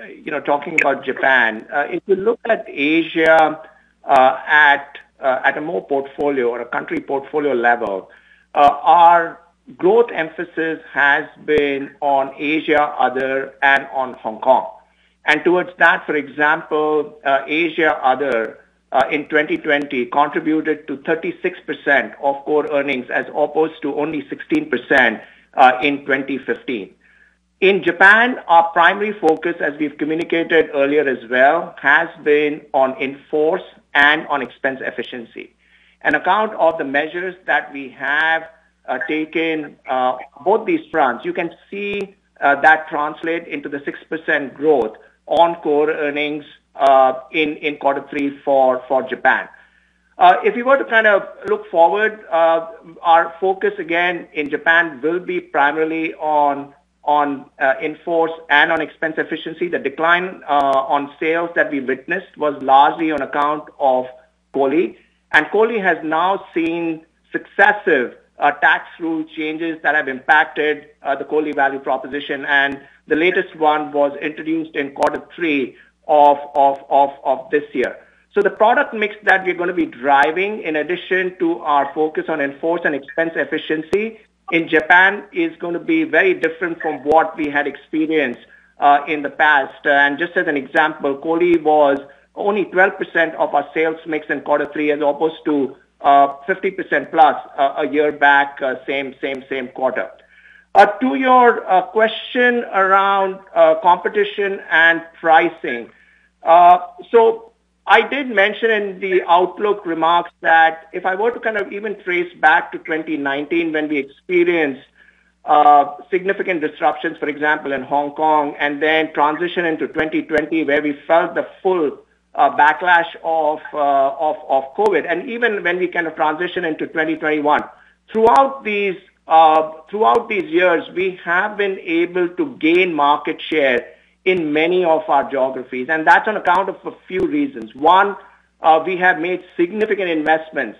you know talking about Japan, if you look at Asia at a more portfolio or a country portfolio level, our growth emphasis has been on Asia Other and on Hong Kong. Towards that, for example, Asia Other in 2020 contributed to 36% of core earnings as opposed to only 16% in 2015. In Japan, our primary focus, as we've communicated earlier as well, has been on in-force and on expense efficiency. On account of the measures that we have taken both these fronts, you can see that translate into the 6% growth on core earnings in quarter three for Japan. If you were to kind of look forward, our focus again in Japan will be primarily on in-force and on expense efficiency. The decline on sales that we witnessed was largely on account of COLI, and COLI has now seen successive tax rule changes that have impacted the COLI value proposition, and the latest one was introduced in quarter three of this year. The product mix that we're gonna be driving, in addition to our focus on in-force and expense efficiency in Japan, is gonna be very different from what we had experienced in the past. Just as an example, COLI was only 12% of our sales mix in quarter three as opposed to 50% plus a year back, same quarter. To your question around competition and pricing. I did mention in the outlook remarks that if I were to kind of even trace back to 2019, when we experienced significant disruptions, for example, in Hong Kong, and then transition into 2020, where we felt the full backlash of COVID, and even when we kind of transition into 2021, throughout these years, we have been able to gain market share in many of our geographies, and that's on account of a few reasons. One, we have made significant investments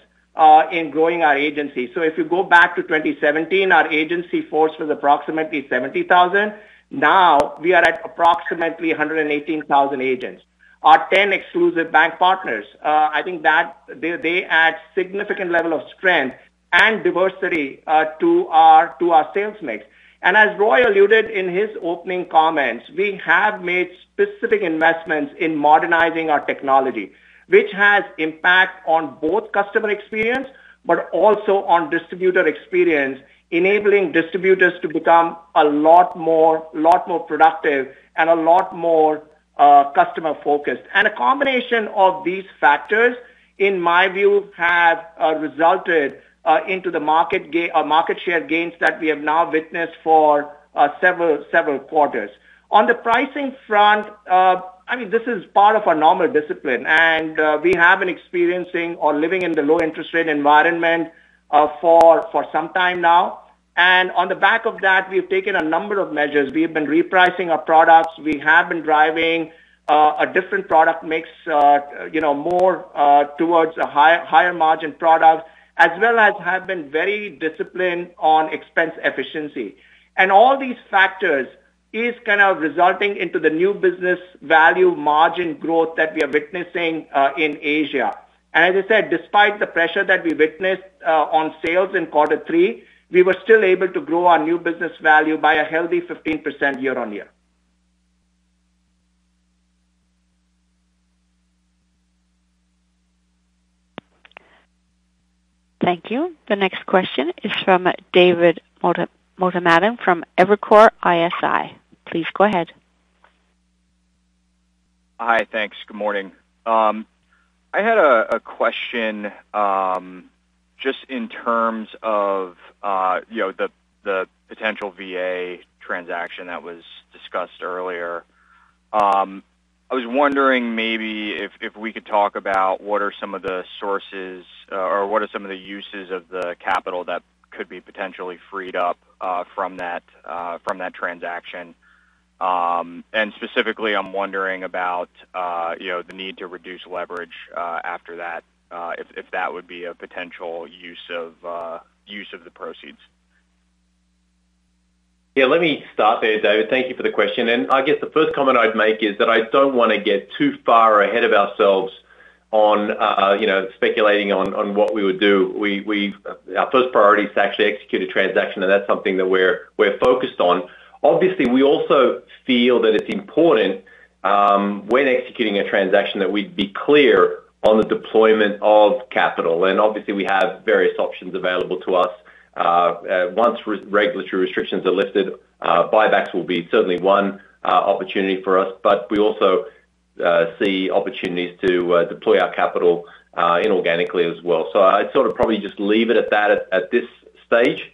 in growing our agency. If you go back to 2017, our agency force was approximately 70,000. Now we are at approximately 118,000 agents. Our 10 exclusive bank partners, I think that they add significant level of strength and diversity to our sales mix. As Roy alluded in his opening comments, we have made specific investments in modernizing our technology, which has impact on both customer experience, but also on distributor experience, enabling distributors to become a lot more productive and a lot more customer focused. A combination of these factors, in my view, have resulted into the market share gains that we have now witnessed for several quarters. On the pricing front, I mean, this is part of our normal discipline, and we have been experiencing or living in the low interest rate environment for some time now. On the back of that, we've taken a number of measures. We have been repricing our products. We have been driving a different product mix, you know, more towards a higher margin product as well as have been very disciplined on expense efficiency. All these factors is kind of resulting into the new business value margin growth that we are witnessing in Asia. As I said, despite the pressure that we witnessed on sales in quarter three, we were still able to grow our new business value by a healthy 15% year-over-year. Thank you. The next question is from David Motemaden from Evercore ISI. Please go ahead. Hi. Thanks. Good morning. I had a question just in terms of you know the potential VA transaction that was discussed earlier. I was wondering maybe if we could talk about what are some of the sources or what are some of the uses of the capital that could be potentially freed up from that transaction. Specifically I'm wondering about you know the need to reduce leverage after that if that would be a potential use of the proceeds. Yeah, let me start there, David. Thank you for the question. I guess the first comment I'd make is that I don't wanna get too far ahead of ourselves on, you know, speculating on what we would do. Our first priority is to actually execute a transaction, and that's something that we're focused on. Obviously, we also feel that it's important when executing a transaction that we'd be clear on the deployment of capital. Obviously we have various options available to us. Once regulatory restrictions are lifted, buybacks will be certainly one opportunity for us. But we also see opportunities to deploy our capital inorganically as well. I'd sort of probably just leave it at that at this stage.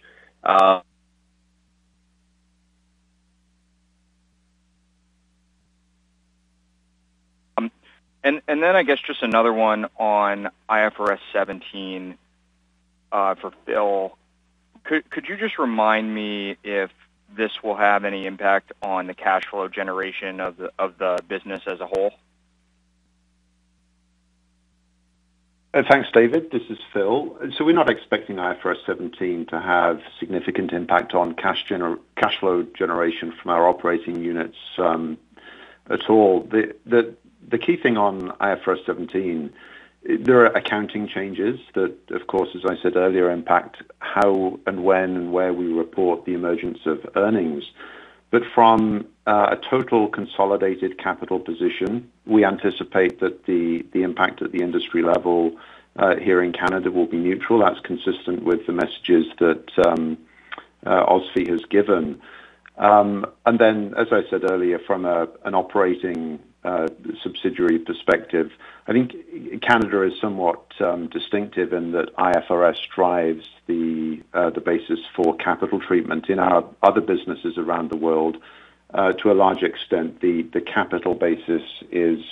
I guess just another one on IFRS 17 for Phil. Could you just remind me if this will have any impact on the cash flow generation of the business as a whole? Thanks, David. This is Phil. We're not expecting IFRS 17 to have significant impact on cash flow generation from our operating units at all. The key thing on IFRS 17, there are accounting changes that, of course, as I said earlier, impact how and when and where we report the emergence of earnings. From a total consolidated capital position, we anticipate that the impact at the industry level here in Canada will be neutral. That's consistent with the messages that OSFI has given. As I said earlier, from an operating subsidiary perspective, I think Canada is somewhat distinctive in that IFRS drives the basis for capital treatment. In our other businesses around the world, to a large extent, the capital basis is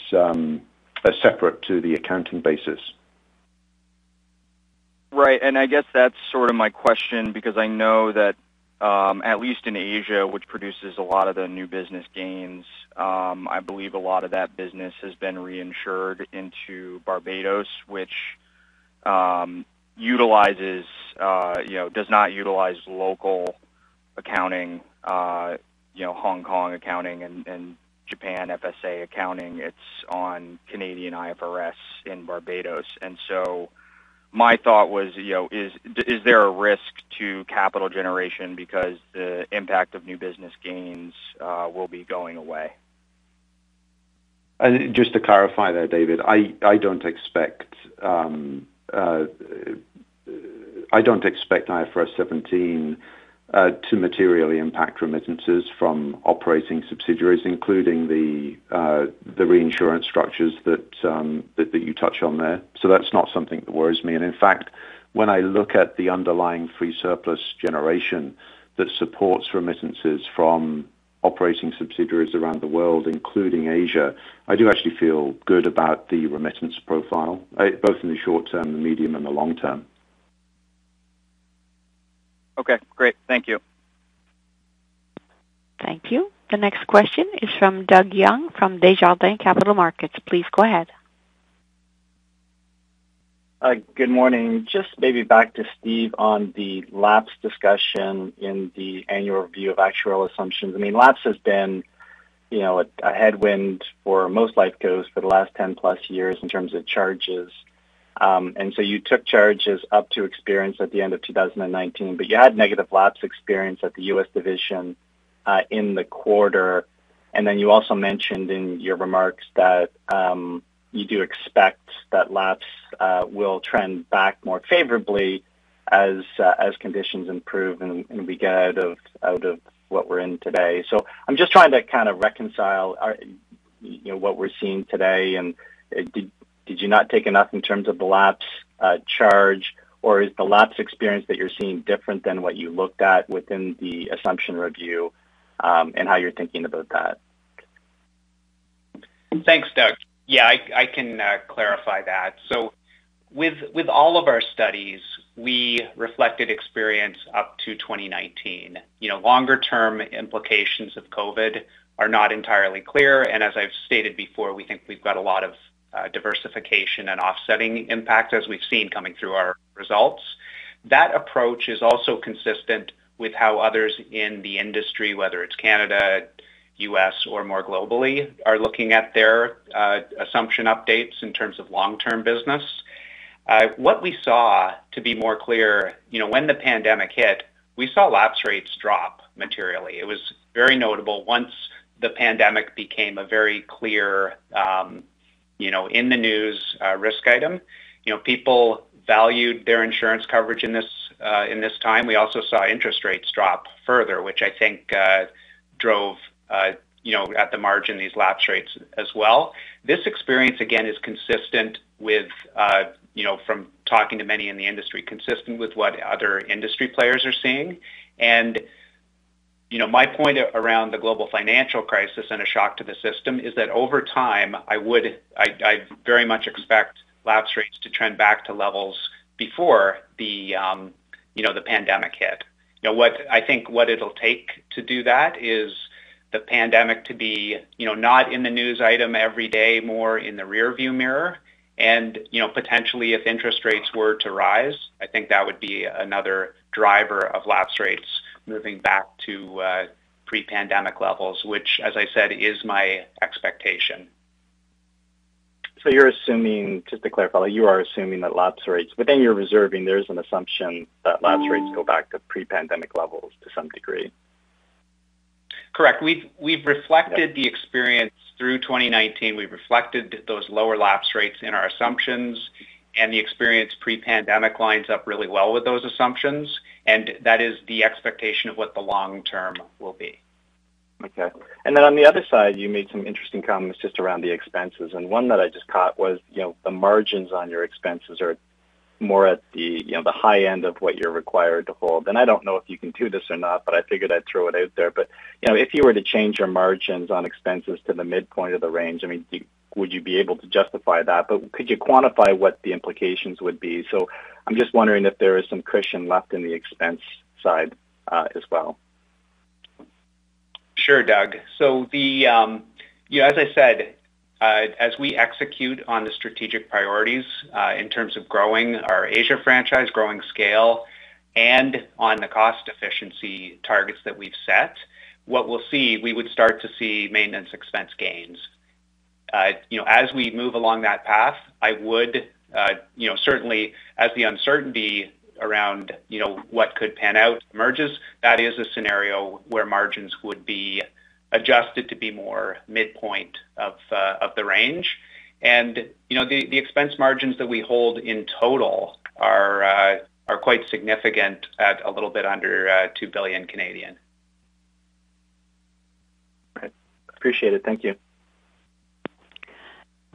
separate to the accounting basis. Right. I guess that's sort of my question because I know that, at least in Asia, which produces a lot of the new business gains, I believe a lot of that business has been reinsured into Barbados, which does not utilize local accounting, you know, Hong Kong accounting and Japan FSA accounting. It's on Canadian IFRS in Barbados. My thought was, you know, is there a risk to capital generation because the impact of new business gains will be going away? Just to clarify there, David, I don't expect IFRS 17 to materially impact remittances from operating subsidiaries, including the reinsurance structures that you touch on there. So that's not something that worries me. In fact, when I look at the underlying free surplus generation that supports remittances from operating subsidiaries around the world, including Asia, I do actually feel good about the remittance profile, both in the short term, the medium and the long term. Okay, great. Thank you. Thank you. The next question is from Doug Young from Desjardins Capital Markets. Please go ahead. Hi. Good morning. Just maybe back to Steve on the lapse discussion in the annual review of actual assumptions. I mean, lapse has been, you know, a headwind for most life cos for the last 10+ years in terms of charges. You took charges up to experience at the end of 2019, but you had negative lapse experience at the U.S. division in the quarter. You also mentioned in your remarks that you do expect that lapse will trend back more favorably as conditions improve and we get out of what we're in today. I'm just trying to kind of reconcile, you know, what we're seeing today. Did you not take enough in terms of the lapse charge? Is the lapse experience that you're seeing different than what you looked at within the assumption review, and how you're thinking about that? Thanks, Doug. Yeah, I can clarify that. So with all of our studies, we reflected experience up to 2019. You know, longer term implications of COVID are not entirely clear. As I've stated before, we think we've got a lot of diversification and offsetting impact as we've seen coming through our results. That approach is also consistent with how others in the industry, whether it's Canada, U.S., or more globally, are looking at their assumption updates in terms of long-term business. What we saw, to be more clear, you know, when the pandemic hit, we saw lapse rates drop materially. It was very notable once the pandemic became a very clear, you know, in-the-news risk item. You know, people valued their insurance coverage in this time. We also saw interest rates drop further, which I think drove, you know, at the margin, these lapse rates as well. This experience, again, is consistent with, you know, from talking to many in the industry, consistent with what other industry players are seeing. You know, my point around the global financial crisis and a shock to the system is that over time, I very much expect lapse rates to trend back to levels before the, you know, the pandemic hit. You know, what I think it'll take to do that is the pandemic to be, you know, not in the news item every day, more in the rear view mirror. You know, potentially, if interest rates were to rise, I think that would be another driver of lapse rates moving back to pre-pandemic levels, which, as I said, is my expectation. You're assuming, just to clarify, you are assuming that lapse rates, within your reserving, there is an assumption that lapse rates go back to pre-pandemic levels to some degree? Correct. We've reflected the experience through 2019. We've reflected those lower lapse rates in our assumptions, and the experience pre-pandemic lines up really well with those assumptions, and that is the expectation of what the long term will be. Okay. Then on the other side, you made some interesting comments just around the expenses. One that I just caught was, you know, the margins on your expenses are more at the, you know, the high end of what you're required to hold. I don't know if you can do this or not, but I figured I'd throw it out there. You know, if you were to change your margins on expenses to the midpoint of the range, I mean, would you be able to justify that? Could you quantify what the implications would be? I'm just wondering if there is some cushion left in the expense side, as well. Sure, Doug. The, you know, as I said, as we execute on the strategic priorities, in terms of growing our Asia franchise, growing scale, and on the cost efficiency targets that we've set, what we'll see, we would start to see maintenance expense gains. You know, as we move along that path, I would, you know, certainly as the uncertainty around, you know, what could pan out emerges, that is a scenario where margins would be adjusted to be more midpoint of the range. You know, the expense margins that we hold in total are quite significant at a little bit under 2 billion. Right. Appreciate it. Thank you.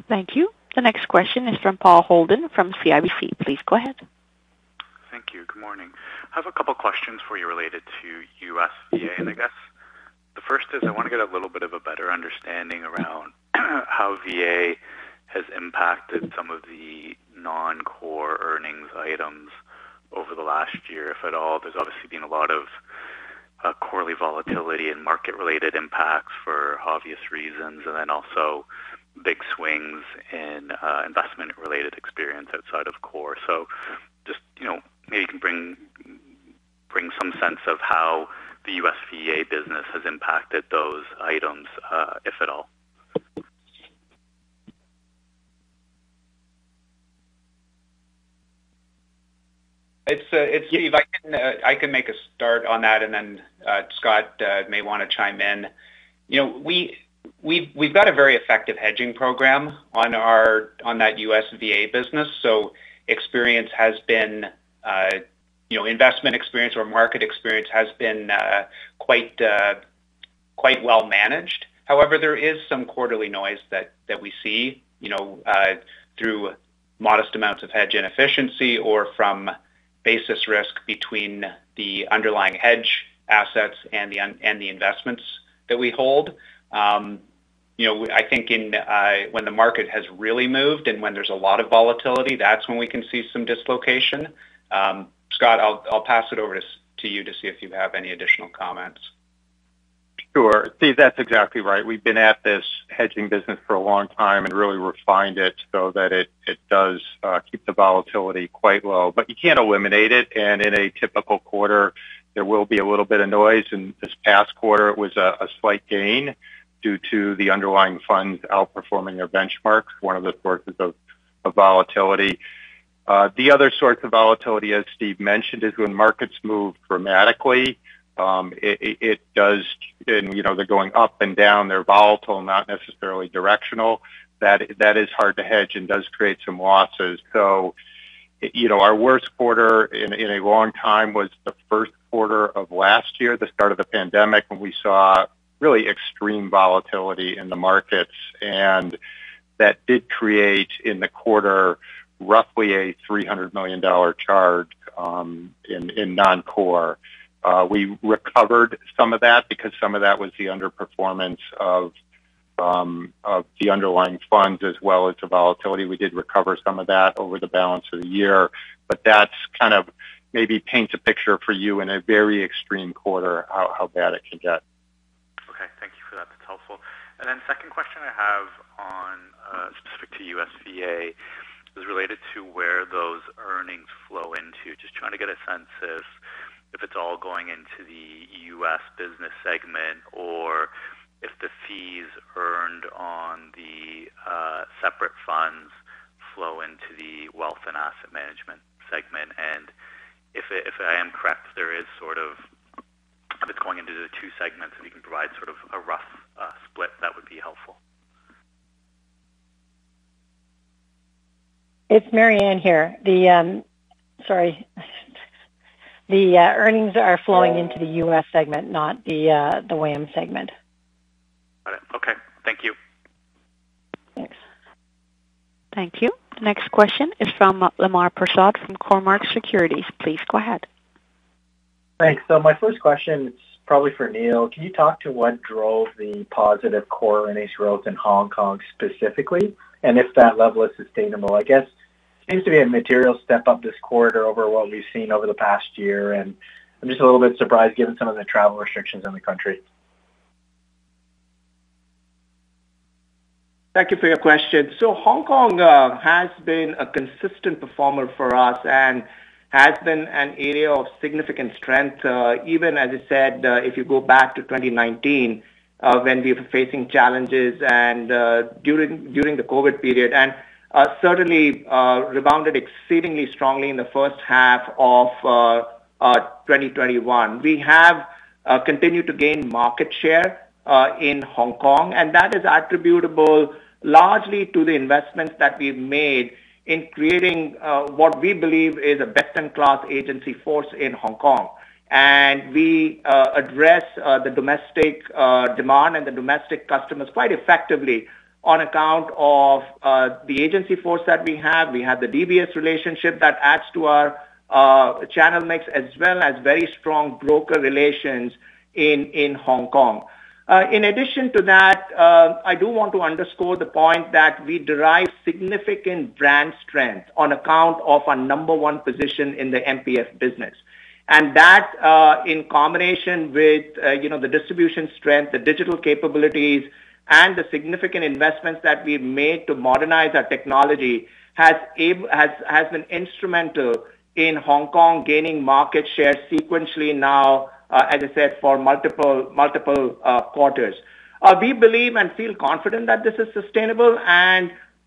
Thank you. The next question is from Paul Holden from CIBC. Please go ahead. Thank you. Good morning. I have a couple questions for you related to U.S. VA. I guess the first is I want to get a little bit of a better understanding around how VA has impacted some of the non-core earnings items over the last year, if at all. There's obviously been a lot of quarterly volatility and market related impacts for obvious reasons, and then also big swings in investment related experience outside of core. You know, maybe you can bring some sense of how the U.S. VA business has impacted those items, if at all. It's Steve. I can make a start on that, and then Scott may want to chime in. You know, we've got a very effective hedging program on that U.S. VA business. Experience has been, you know, investment experience or market experience has been quite well managed. However, there is some quarterly noise that we see, you know, through modest amounts of hedge inefficiency or from basis risk between the underlying hedge assets and the investments that we hold. You know, I think when the market has really moved and when there's a lot of volatility, that's when we can see some dislocation. Scott, I'll pass it over to you to see if you have any additional comments. Sure. Steve, that's exactly right. We've been at this hedging business for a long time and really refined it so that it does keep the volatility quite low. You can't eliminate it. In a typical quarter, there will be a little bit of noise. In this past quarter, it was a slight gain due to the underlying funds outperforming their benchmarks. One of the sources of volatility. The other source of volatility, as Steve mentioned, is when markets move dramatically, it does, and you know, they're going up and down. They're volatile, not necessarily directional. That is hard to hedge and does create some losses. You know, our worst quarter in a long time was the first quarter of last year, the start of the pandemic, when we saw really extreme volatility in the markets. That did create in the quarter roughly 300 million dollar charge in non-core. We recovered some of that because some of that was the underperformance of the underlying funds as well as the volatility. We did recover some of that over the balance of the year, but that's kind of maybe paints a picture for you in a very extreme quarter how bad it can get. Okay. Thank you for that. That's helpful. Second question I have on specific to U.S. VA is related to where those earnings flow into. Just trying to get a sense if it's all going into the U.S. business segment or if the fees earned on the separate funds flow into the Wealth and Asset Management segment. If I am correct, there is sort of if it's going into the two segments, if you can provide sort of a rough split, that would be helpful. It's Marianne here. The earnings are flowing into the U.S. segment, not the WAM segment. Got it. Okay. Thank you. Thanks. Thank you. Next question is from Lemar Persaud from Cormark Securities. Please go ahead. Thanks. My first question is probably for Anil. Can you talk to what drove the positive core in Asia results in Hong Kong specifically, and if that level is sustainable? I guess it seems to be a material step up this quarter over what we've seen over the past year. I'm just a little bit surprised given some of the travel restrictions in the country. Thank you for your question. Hong Kong has been a consistent performer for us and has been an area of significant strength. Even as I said, if you go back to 2019, when we were facing challenges and during the COVID period, and certainly rebounded exceedingly strongly in the first half of 2021. We have continued to gain market share in Hong Kong, and that is attributable largely to the investments that we've made in creating what we believe is a best-in-class agency force in Hong Kong. We address the domestic demand and the domestic customers quite effectively on account of the agency force that we have. We have the DBS relationship that adds to our channel mix as well as very strong broker relations in Hong Kong. In addition to that, I do want to underscore the point that we derive significant brand strength on account of our number one position in the MPF business. That, in combination with, you know, the distribution strength, the digital capabilities, and the significant investments that we've made to modernize our technology has been instrumental in Hong Kong gaining market share sequentially now, as I said, for multiple quarters. We believe and feel confident that this is sustainable.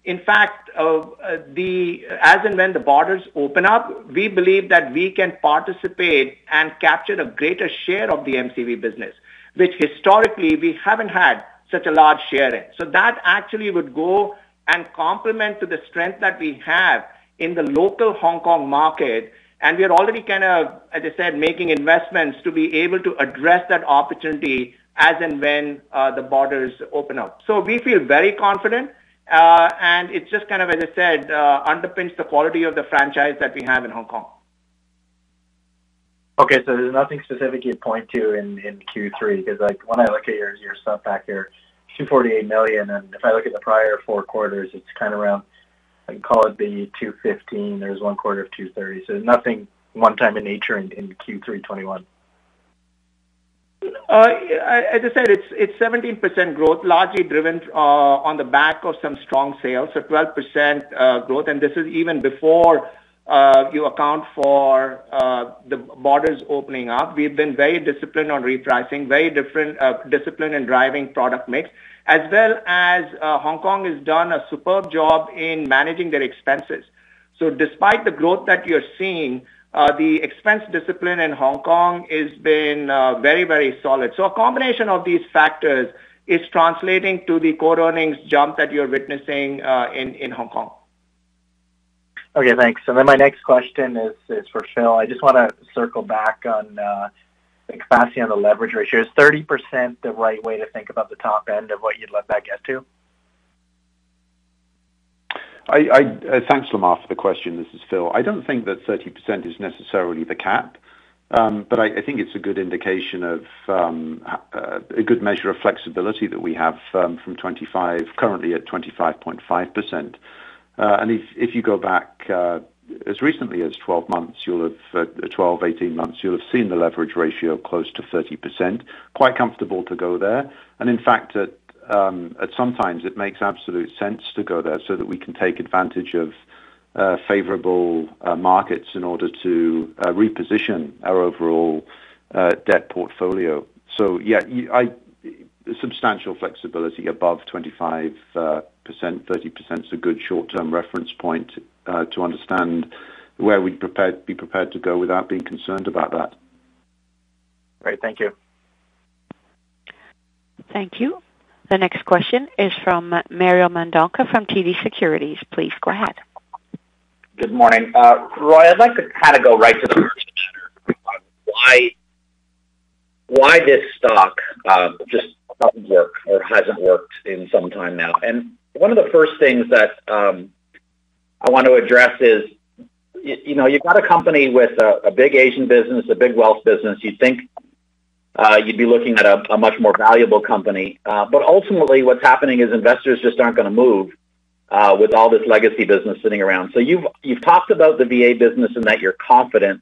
In fact, as and when the borders open up, we believe that we can participate and capture the greatest share of the MCV business, which historically we haven't had such a large share in. That actually would go and complement to the strength that we have in the local Hong Kong market. We are already kind of, as I said, making investments to be able to address that opportunity as and when the borders open up. We feel very confident, and it just kind of, as I said, underpins the quality of the franchise that we have in Hong Kong. Okay. There's nothing specific you'd point to in Q3. 'Cause like when I look at your stuff back there, 248 million, and if I look at the prior four quarters, it's kind of around, I can call it the 215. There's one quarter of 230. Nothing one-time in nature in Q3 2021. As I said, it's 17% growth, largely driven on the back of some strong sales. 12% growth, and this is even before you account for the borders opening up. We've been very disciplined on repricing, very different discipline in driving product mix, as well as Hong Kong has done a superb job in managing their expenses. Despite the growth that you're seeing, the expense discipline in Hong Kong has been very solid. A combination of these factors is translating to the core earnings jump that you're witnessing in Hong Kong. Okay, thanks. My next question is for Phil. I just wanna circle back on the capacity on the leverage ratio. Is 30% the right way to think about the top end of what you'd let that get to? Thanks, Lemar, for the question. This is Phil. I don't think that 30% is necessarily the cap. I think it's a good indication of a good measure of flexibility that we have from 25 currently at 25.5%. If you go back as recently as 12-18 months, you'll have seen the leverage ratio close to 30%. Quite comfortable to go there. In fact, at some times it makes absolute sense to go there so that we can take advantage of favorable markets in order to reposition our overall debt portfolio. Yeah. Substantial flexibility above 25%, 30% is a good short-term reference point to understand where we'd be prepared to go without being concerned about that. Great. Thank you. Thank you. The next question is from Mario Mendonca from TD Securities. Please go ahead. Good morning. Roy, I'd like to kind of go right to the heart of the matter. Why this stock just doesn't work or hasn't worked in some time now. One of the first things that I want to address is, you know, you've got a company with a big Asian business, a big wealth business. You'd think you'd be looking at a much more valuable company, but ultimately what's happening is investors just aren't gonna move with all this legacy business sitting around. You've talked about the VA business and that you're confident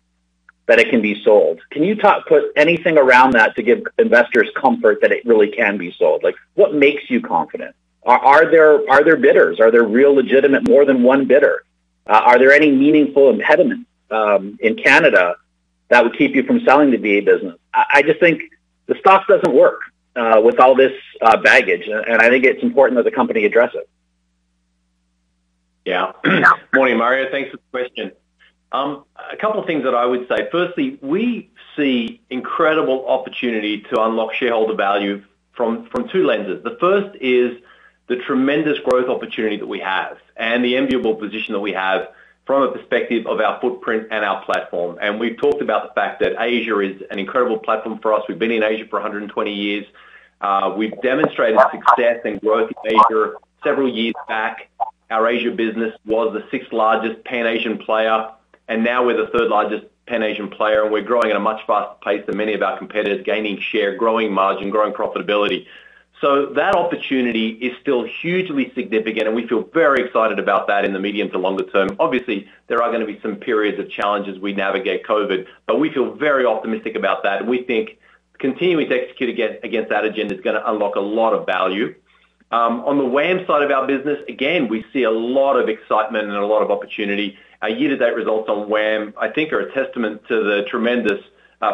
that it can be sold. Can you put anything around that to give investors comfort that it really can be sold? Like, what makes you confident? Are there bidders? Are there real legitimate more than one bidder? Are there any meaningful impediments in Canada that would keep you from selling the VA business? I just think the stock doesn't work with all this baggage. I think it's important that the company address it. Yeah. Morning, Mario. Thanks for the question. A couple things that I would say. Firstly, we see incredible opportunity to unlock shareholder value from two lenses. The first is the tremendous growth opportunity that we have and the enviable position that we have from a perspective of our footprint and our platform. We've talked about the fact that Asia is an incredible platform for us. We've been in Asia for 120 years. We've demonstrated success and growth in Asia. Several years back, our Asia business was the sixth-largest Pan-Asian player, and now we're the third-largest Pan-Asian player, and we're growing at a much faster pace than many of our competitors, gaining share, growing margin, growing profitability. That opportunity is still hugely significant, and we feel very excited about that in the medium to longer term. Obviously, there are gonna be some periods of challenges as we navigate COVID, but we feel very optimistic about that. We think continuing to execute against that agenda is gonna unlock a lot of value. On the WAM side of our business, again, we see a lot of excitement and a lot of opportunity. Our year-to-date results on WAM, I think, are a testament to the tremendous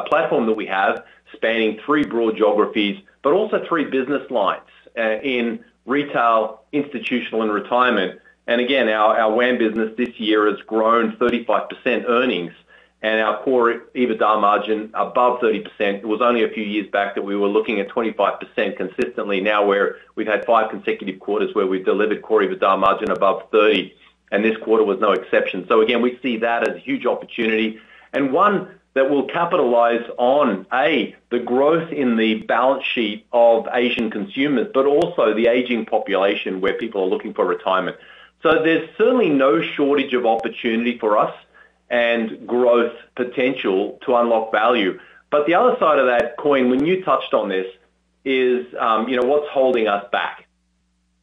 platform that we have, spanning three broad geographies, but also three business lines in retail, institutional, and retirement. Again, our WAM business this year has grown 35% earnings and our core EBITDA margin above 30%. It was only a few years back that we were looking at 25% consistently. Now we've had five consecutive quarters where we've delivered core EBITDA margin above 30%, and this quarter was no exception. Again, we see that as a huge opportunity and one that will capitalize on, A, the growth in the balance sheet of Asian consumers, but also the aging population where people are looking for retirement. There's certainly no shortage of opportunity for us and growth potential to unlock value. The other side of that coin, when you touched on this, is, you know, what's holding us back?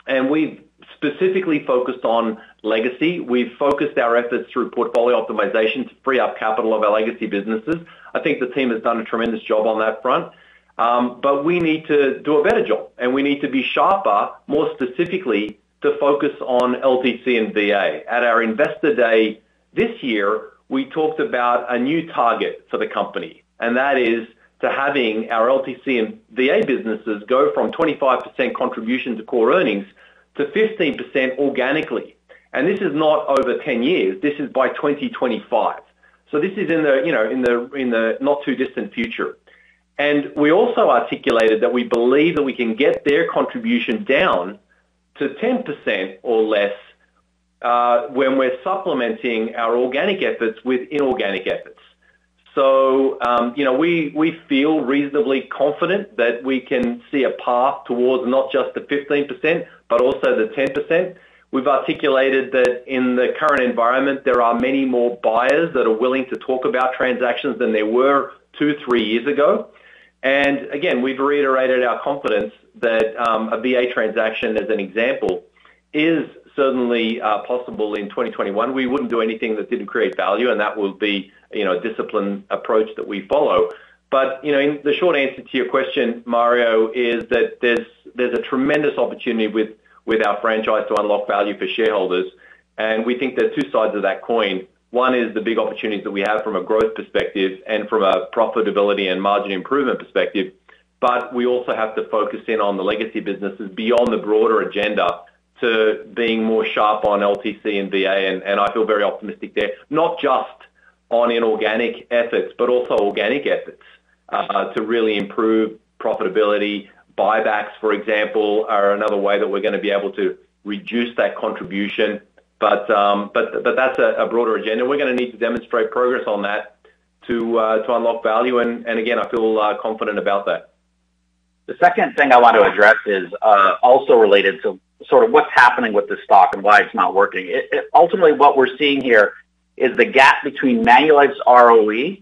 We've specifically focused on legacy. We've focused our efforts through portfolio optimization to free up capital of our legacy businesses. I think the team has done a tremendous job on that front. But we need to do a better job, and we need to be sharper, more specifically to focus on LTC and VA. At our Investor Day this year, we talked about a new target for the company, and that is to having our LTC and VA businesses go from 25% contribution to core earnings to 15% organically. This is not over ten years, this is by 2025. This is in the not too distant future. We also articulated that we believe that we can get their contribution down to 10% or less, when we're supplementing our organic efforts with inorganic efforts. You know, we feel reasonably confident that we can see a path towards not just the 15%, but also the 10%. We've articulated that in the current environment, there are many more buyers that are willing to talk about transactions than there were two, three years ago. again, we've reiterated our confidence that a VA transaction as an example is certainly possible in 2021. We wouldn't do anything that didn't create value, and that will be you know, a disciplined approach that we follow. you know, the short answer to your question, Mario, is that there's a tremendous opportunity with our franchise to unlock value for shareholders. we think there are two sides of that coin. One is the big opportunities that we have from a growth perspective and from a profitability and margin improvement perspective. We also have to focus in on the legacy businesses beyond the broader agenda to being more sharp on LTC and VA. I feel very optimistic there, not just on inorganic efforts, but also organic efforts, to really improve profitability. Buybacks, for example, are another way that we're gonna be able to reduce that contribution. That's a broader agenda. We're gonna need to demonstrate progress on that to unlock value. I feel confident about that. The second thing I want to address is also related to sort of what's happening with the stock and why it's not working. Ultimately, what we're seeing here is the gap between Manulife's ROE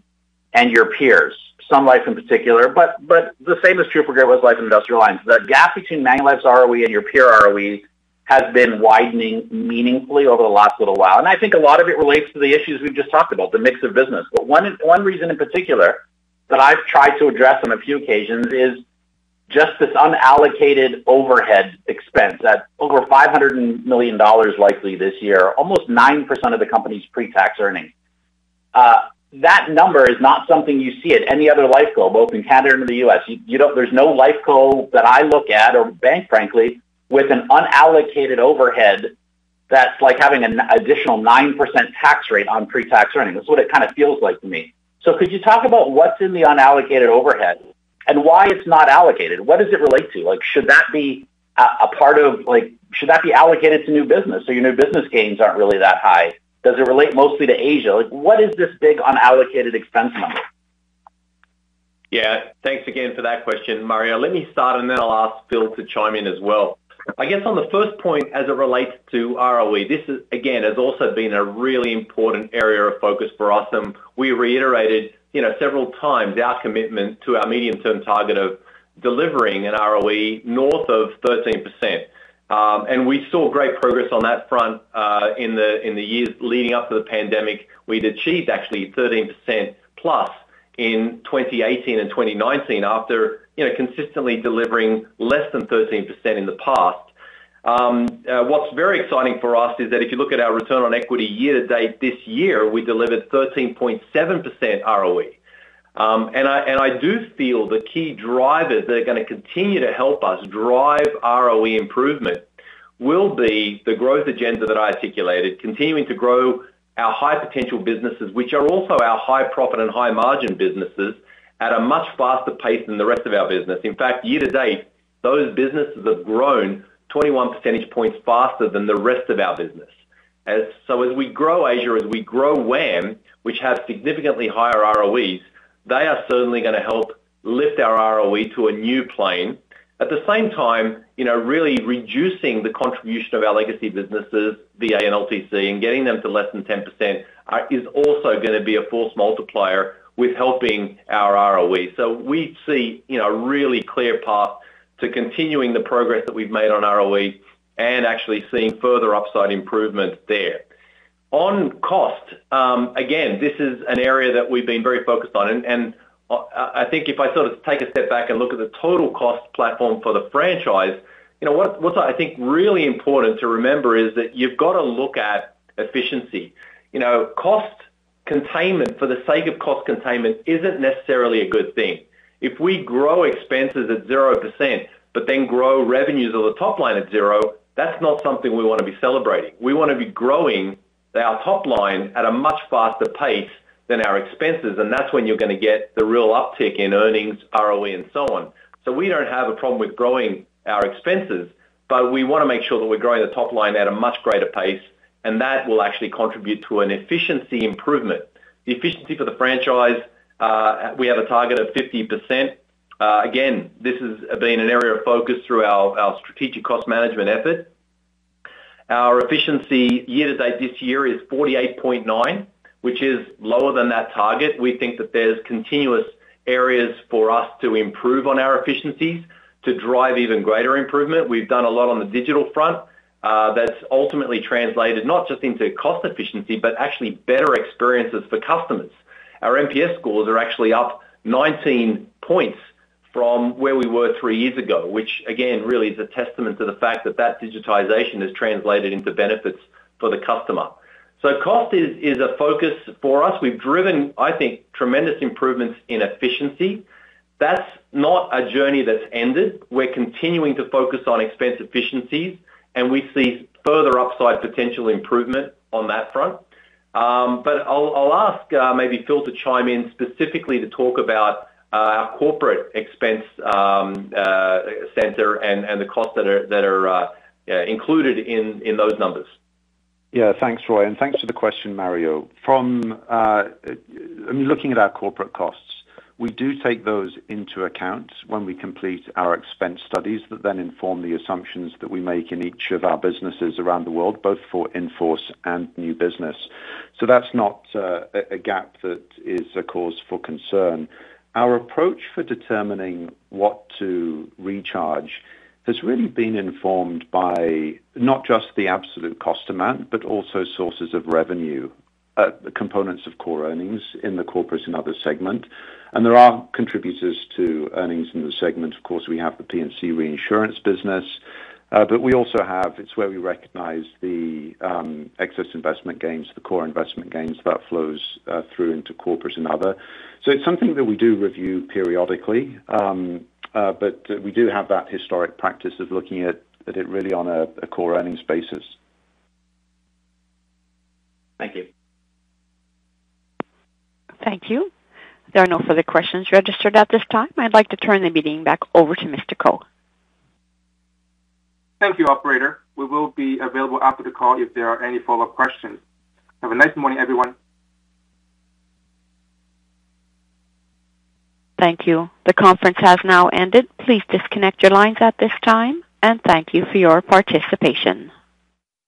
and your peers, Sun Life in particular, but the same is true for Great-West Life and Industrial Alliance. The gap between Manulife's ROE and your peer ROEs has been widening meaningfully over the last little while. I think a lot of it relates to the issues we've just talked about, the mix of business. One reason in particular that I've tried to address on a few occasions is just this unallocated overhead expense at over 500 million dollars likely this year, almost 9% of the company's pre-tax earnings. That number is not something you see at any other life global, both in Canada and in the U.S. There's no life co that I look at or bank, frankly, with an unallocated overhead that's like having an additional 9% tax rate on pre-tax earnings. That's what it kinda feels like to me. Could you talk about what's in the unallocated overhead and why it's not allocated? What does it relate to? Like, should that be a part of, like, should that be allocated to new business so your new business gains aren't really that high? Does it relate mostly to Asia? Like, what is this big unallocated expense number? Thanks again for that question, Mario. Let me start, and then I'll ask Phil to chime in as well. I guess on the first point as it relates to ROE, this is, again, has also been a really important area of focus for us. We reiterated, you know, several times our commitment to our medium-term target of delivering an ROE north of 13%. We saw great progress on that front, in the years leading up to the pandemic. We'd achieved actually 13%+ in 2018 and 2019 after, you know, consistently delivering less than 13% in the past. What's very exciting for us is that if you look at our return on equity year to date this year, we delivered 13.7% ROE. I do feel the key drivers that are gonna continue to help us drive ROE improvement will be the growth agenda that I articulated, continuing to grow our high potential businesses, which are also our high profit and high margin businesses, at a much faster pace than the rest of our business. In fact, year to date, those businesses have grown 21 percentage points faster than the rest of our business. So as we grow Asia, as we grow WAM, which have significantly higher ROEs, they are certainly gonna help lift our ROE to a new plane. At the same time, you know, really reducing the contribution of our legacy businesses, VA and LTC, and getting them to less than 10%, is also gonna be a force multiplier with helping our ROE. We see, you know, a really clear path to continuing the progress that we've made on ROE and actually seeing further upside improvement there. On cost, again, this is an area that we've been very focused on. I think if I sort of take a step back and look at the total cost platform for the franchise, you know, what's I think really important to remember is that you've got to look at efficiency. You know, cost containment for the sake of cost containment isn't necessarily a good thing. If we grow expenses at 0%, but then grow revenues or the top line at 0%, that's not something we wanna be celebrating. We wanna be growing our top line at a much faster pace than our expenses, and that's when you're gonna get the real uptick in earnings, ROE, and so on. We don't have a problem with growing our expenses, but we wanna make sure that we're growing the top line at a much greater pace, and that will actually contribute to an efficiency improvement. The efficiency for the franchise, we have a target of 50%. Again, this has been an area of focus through our strategic cost management effort. Our efficiency year to date this year is 48.9%, which is lower than that target. We think that there's continuous areas for us to improve on our efficiencies to drive even greater improvement. We've done a lot on the digital front, that's ultimately translated not just into cost efficiency, but actually better experiences for customers. Our NPS scores are actually up 19 points from where we were three years ago, which again really is a testament to the fact that digitization has translated into benefits for the customer. Cost is a focus for us. We've driven, I think, tremendous improvements in efficiency. That's not a journey that's ended. We're continuing to focus on expense efficiencies, and we see further upside potential improvement on that front. I'll ask maybe Phil to chime in specifically to talk about our corporate expense center and the costs that are included in those numbers. Yeah. Thanks, Roy, and thanks for the question, Mario. From looking at our corporate costs, we do take those into account when we complete our expense studies that then inform the assumptions that we make in each of our businesses around the world, both for in-force and new business. That's not a gap that is a cause for concern. Our approach for determining what to recharge has really been informed by not just the absolute cost amount, but also sources of revenue, components of core earnings in the corporates and other segment. There are contributors to earnings in the segment. Of course, we have the P&C reinsurance business, but we also have, it's where we recognize the excess investment gains, the core investment gains that flows through into corporates and other. It's something that we do review periodically. We do have that historic practice of looking at it really on a core earnings basis. Thank you. Thank you. There are no further questions registered at this time. I'd like to turn the meeting back over to Mr. Ko. Thank you, operator. We will be available after the call if there are any follow-up questions. Have a nice morning, everyone. Thank you. The conference has now ended. Please disconnect your lines at this time, and thank you for your participation.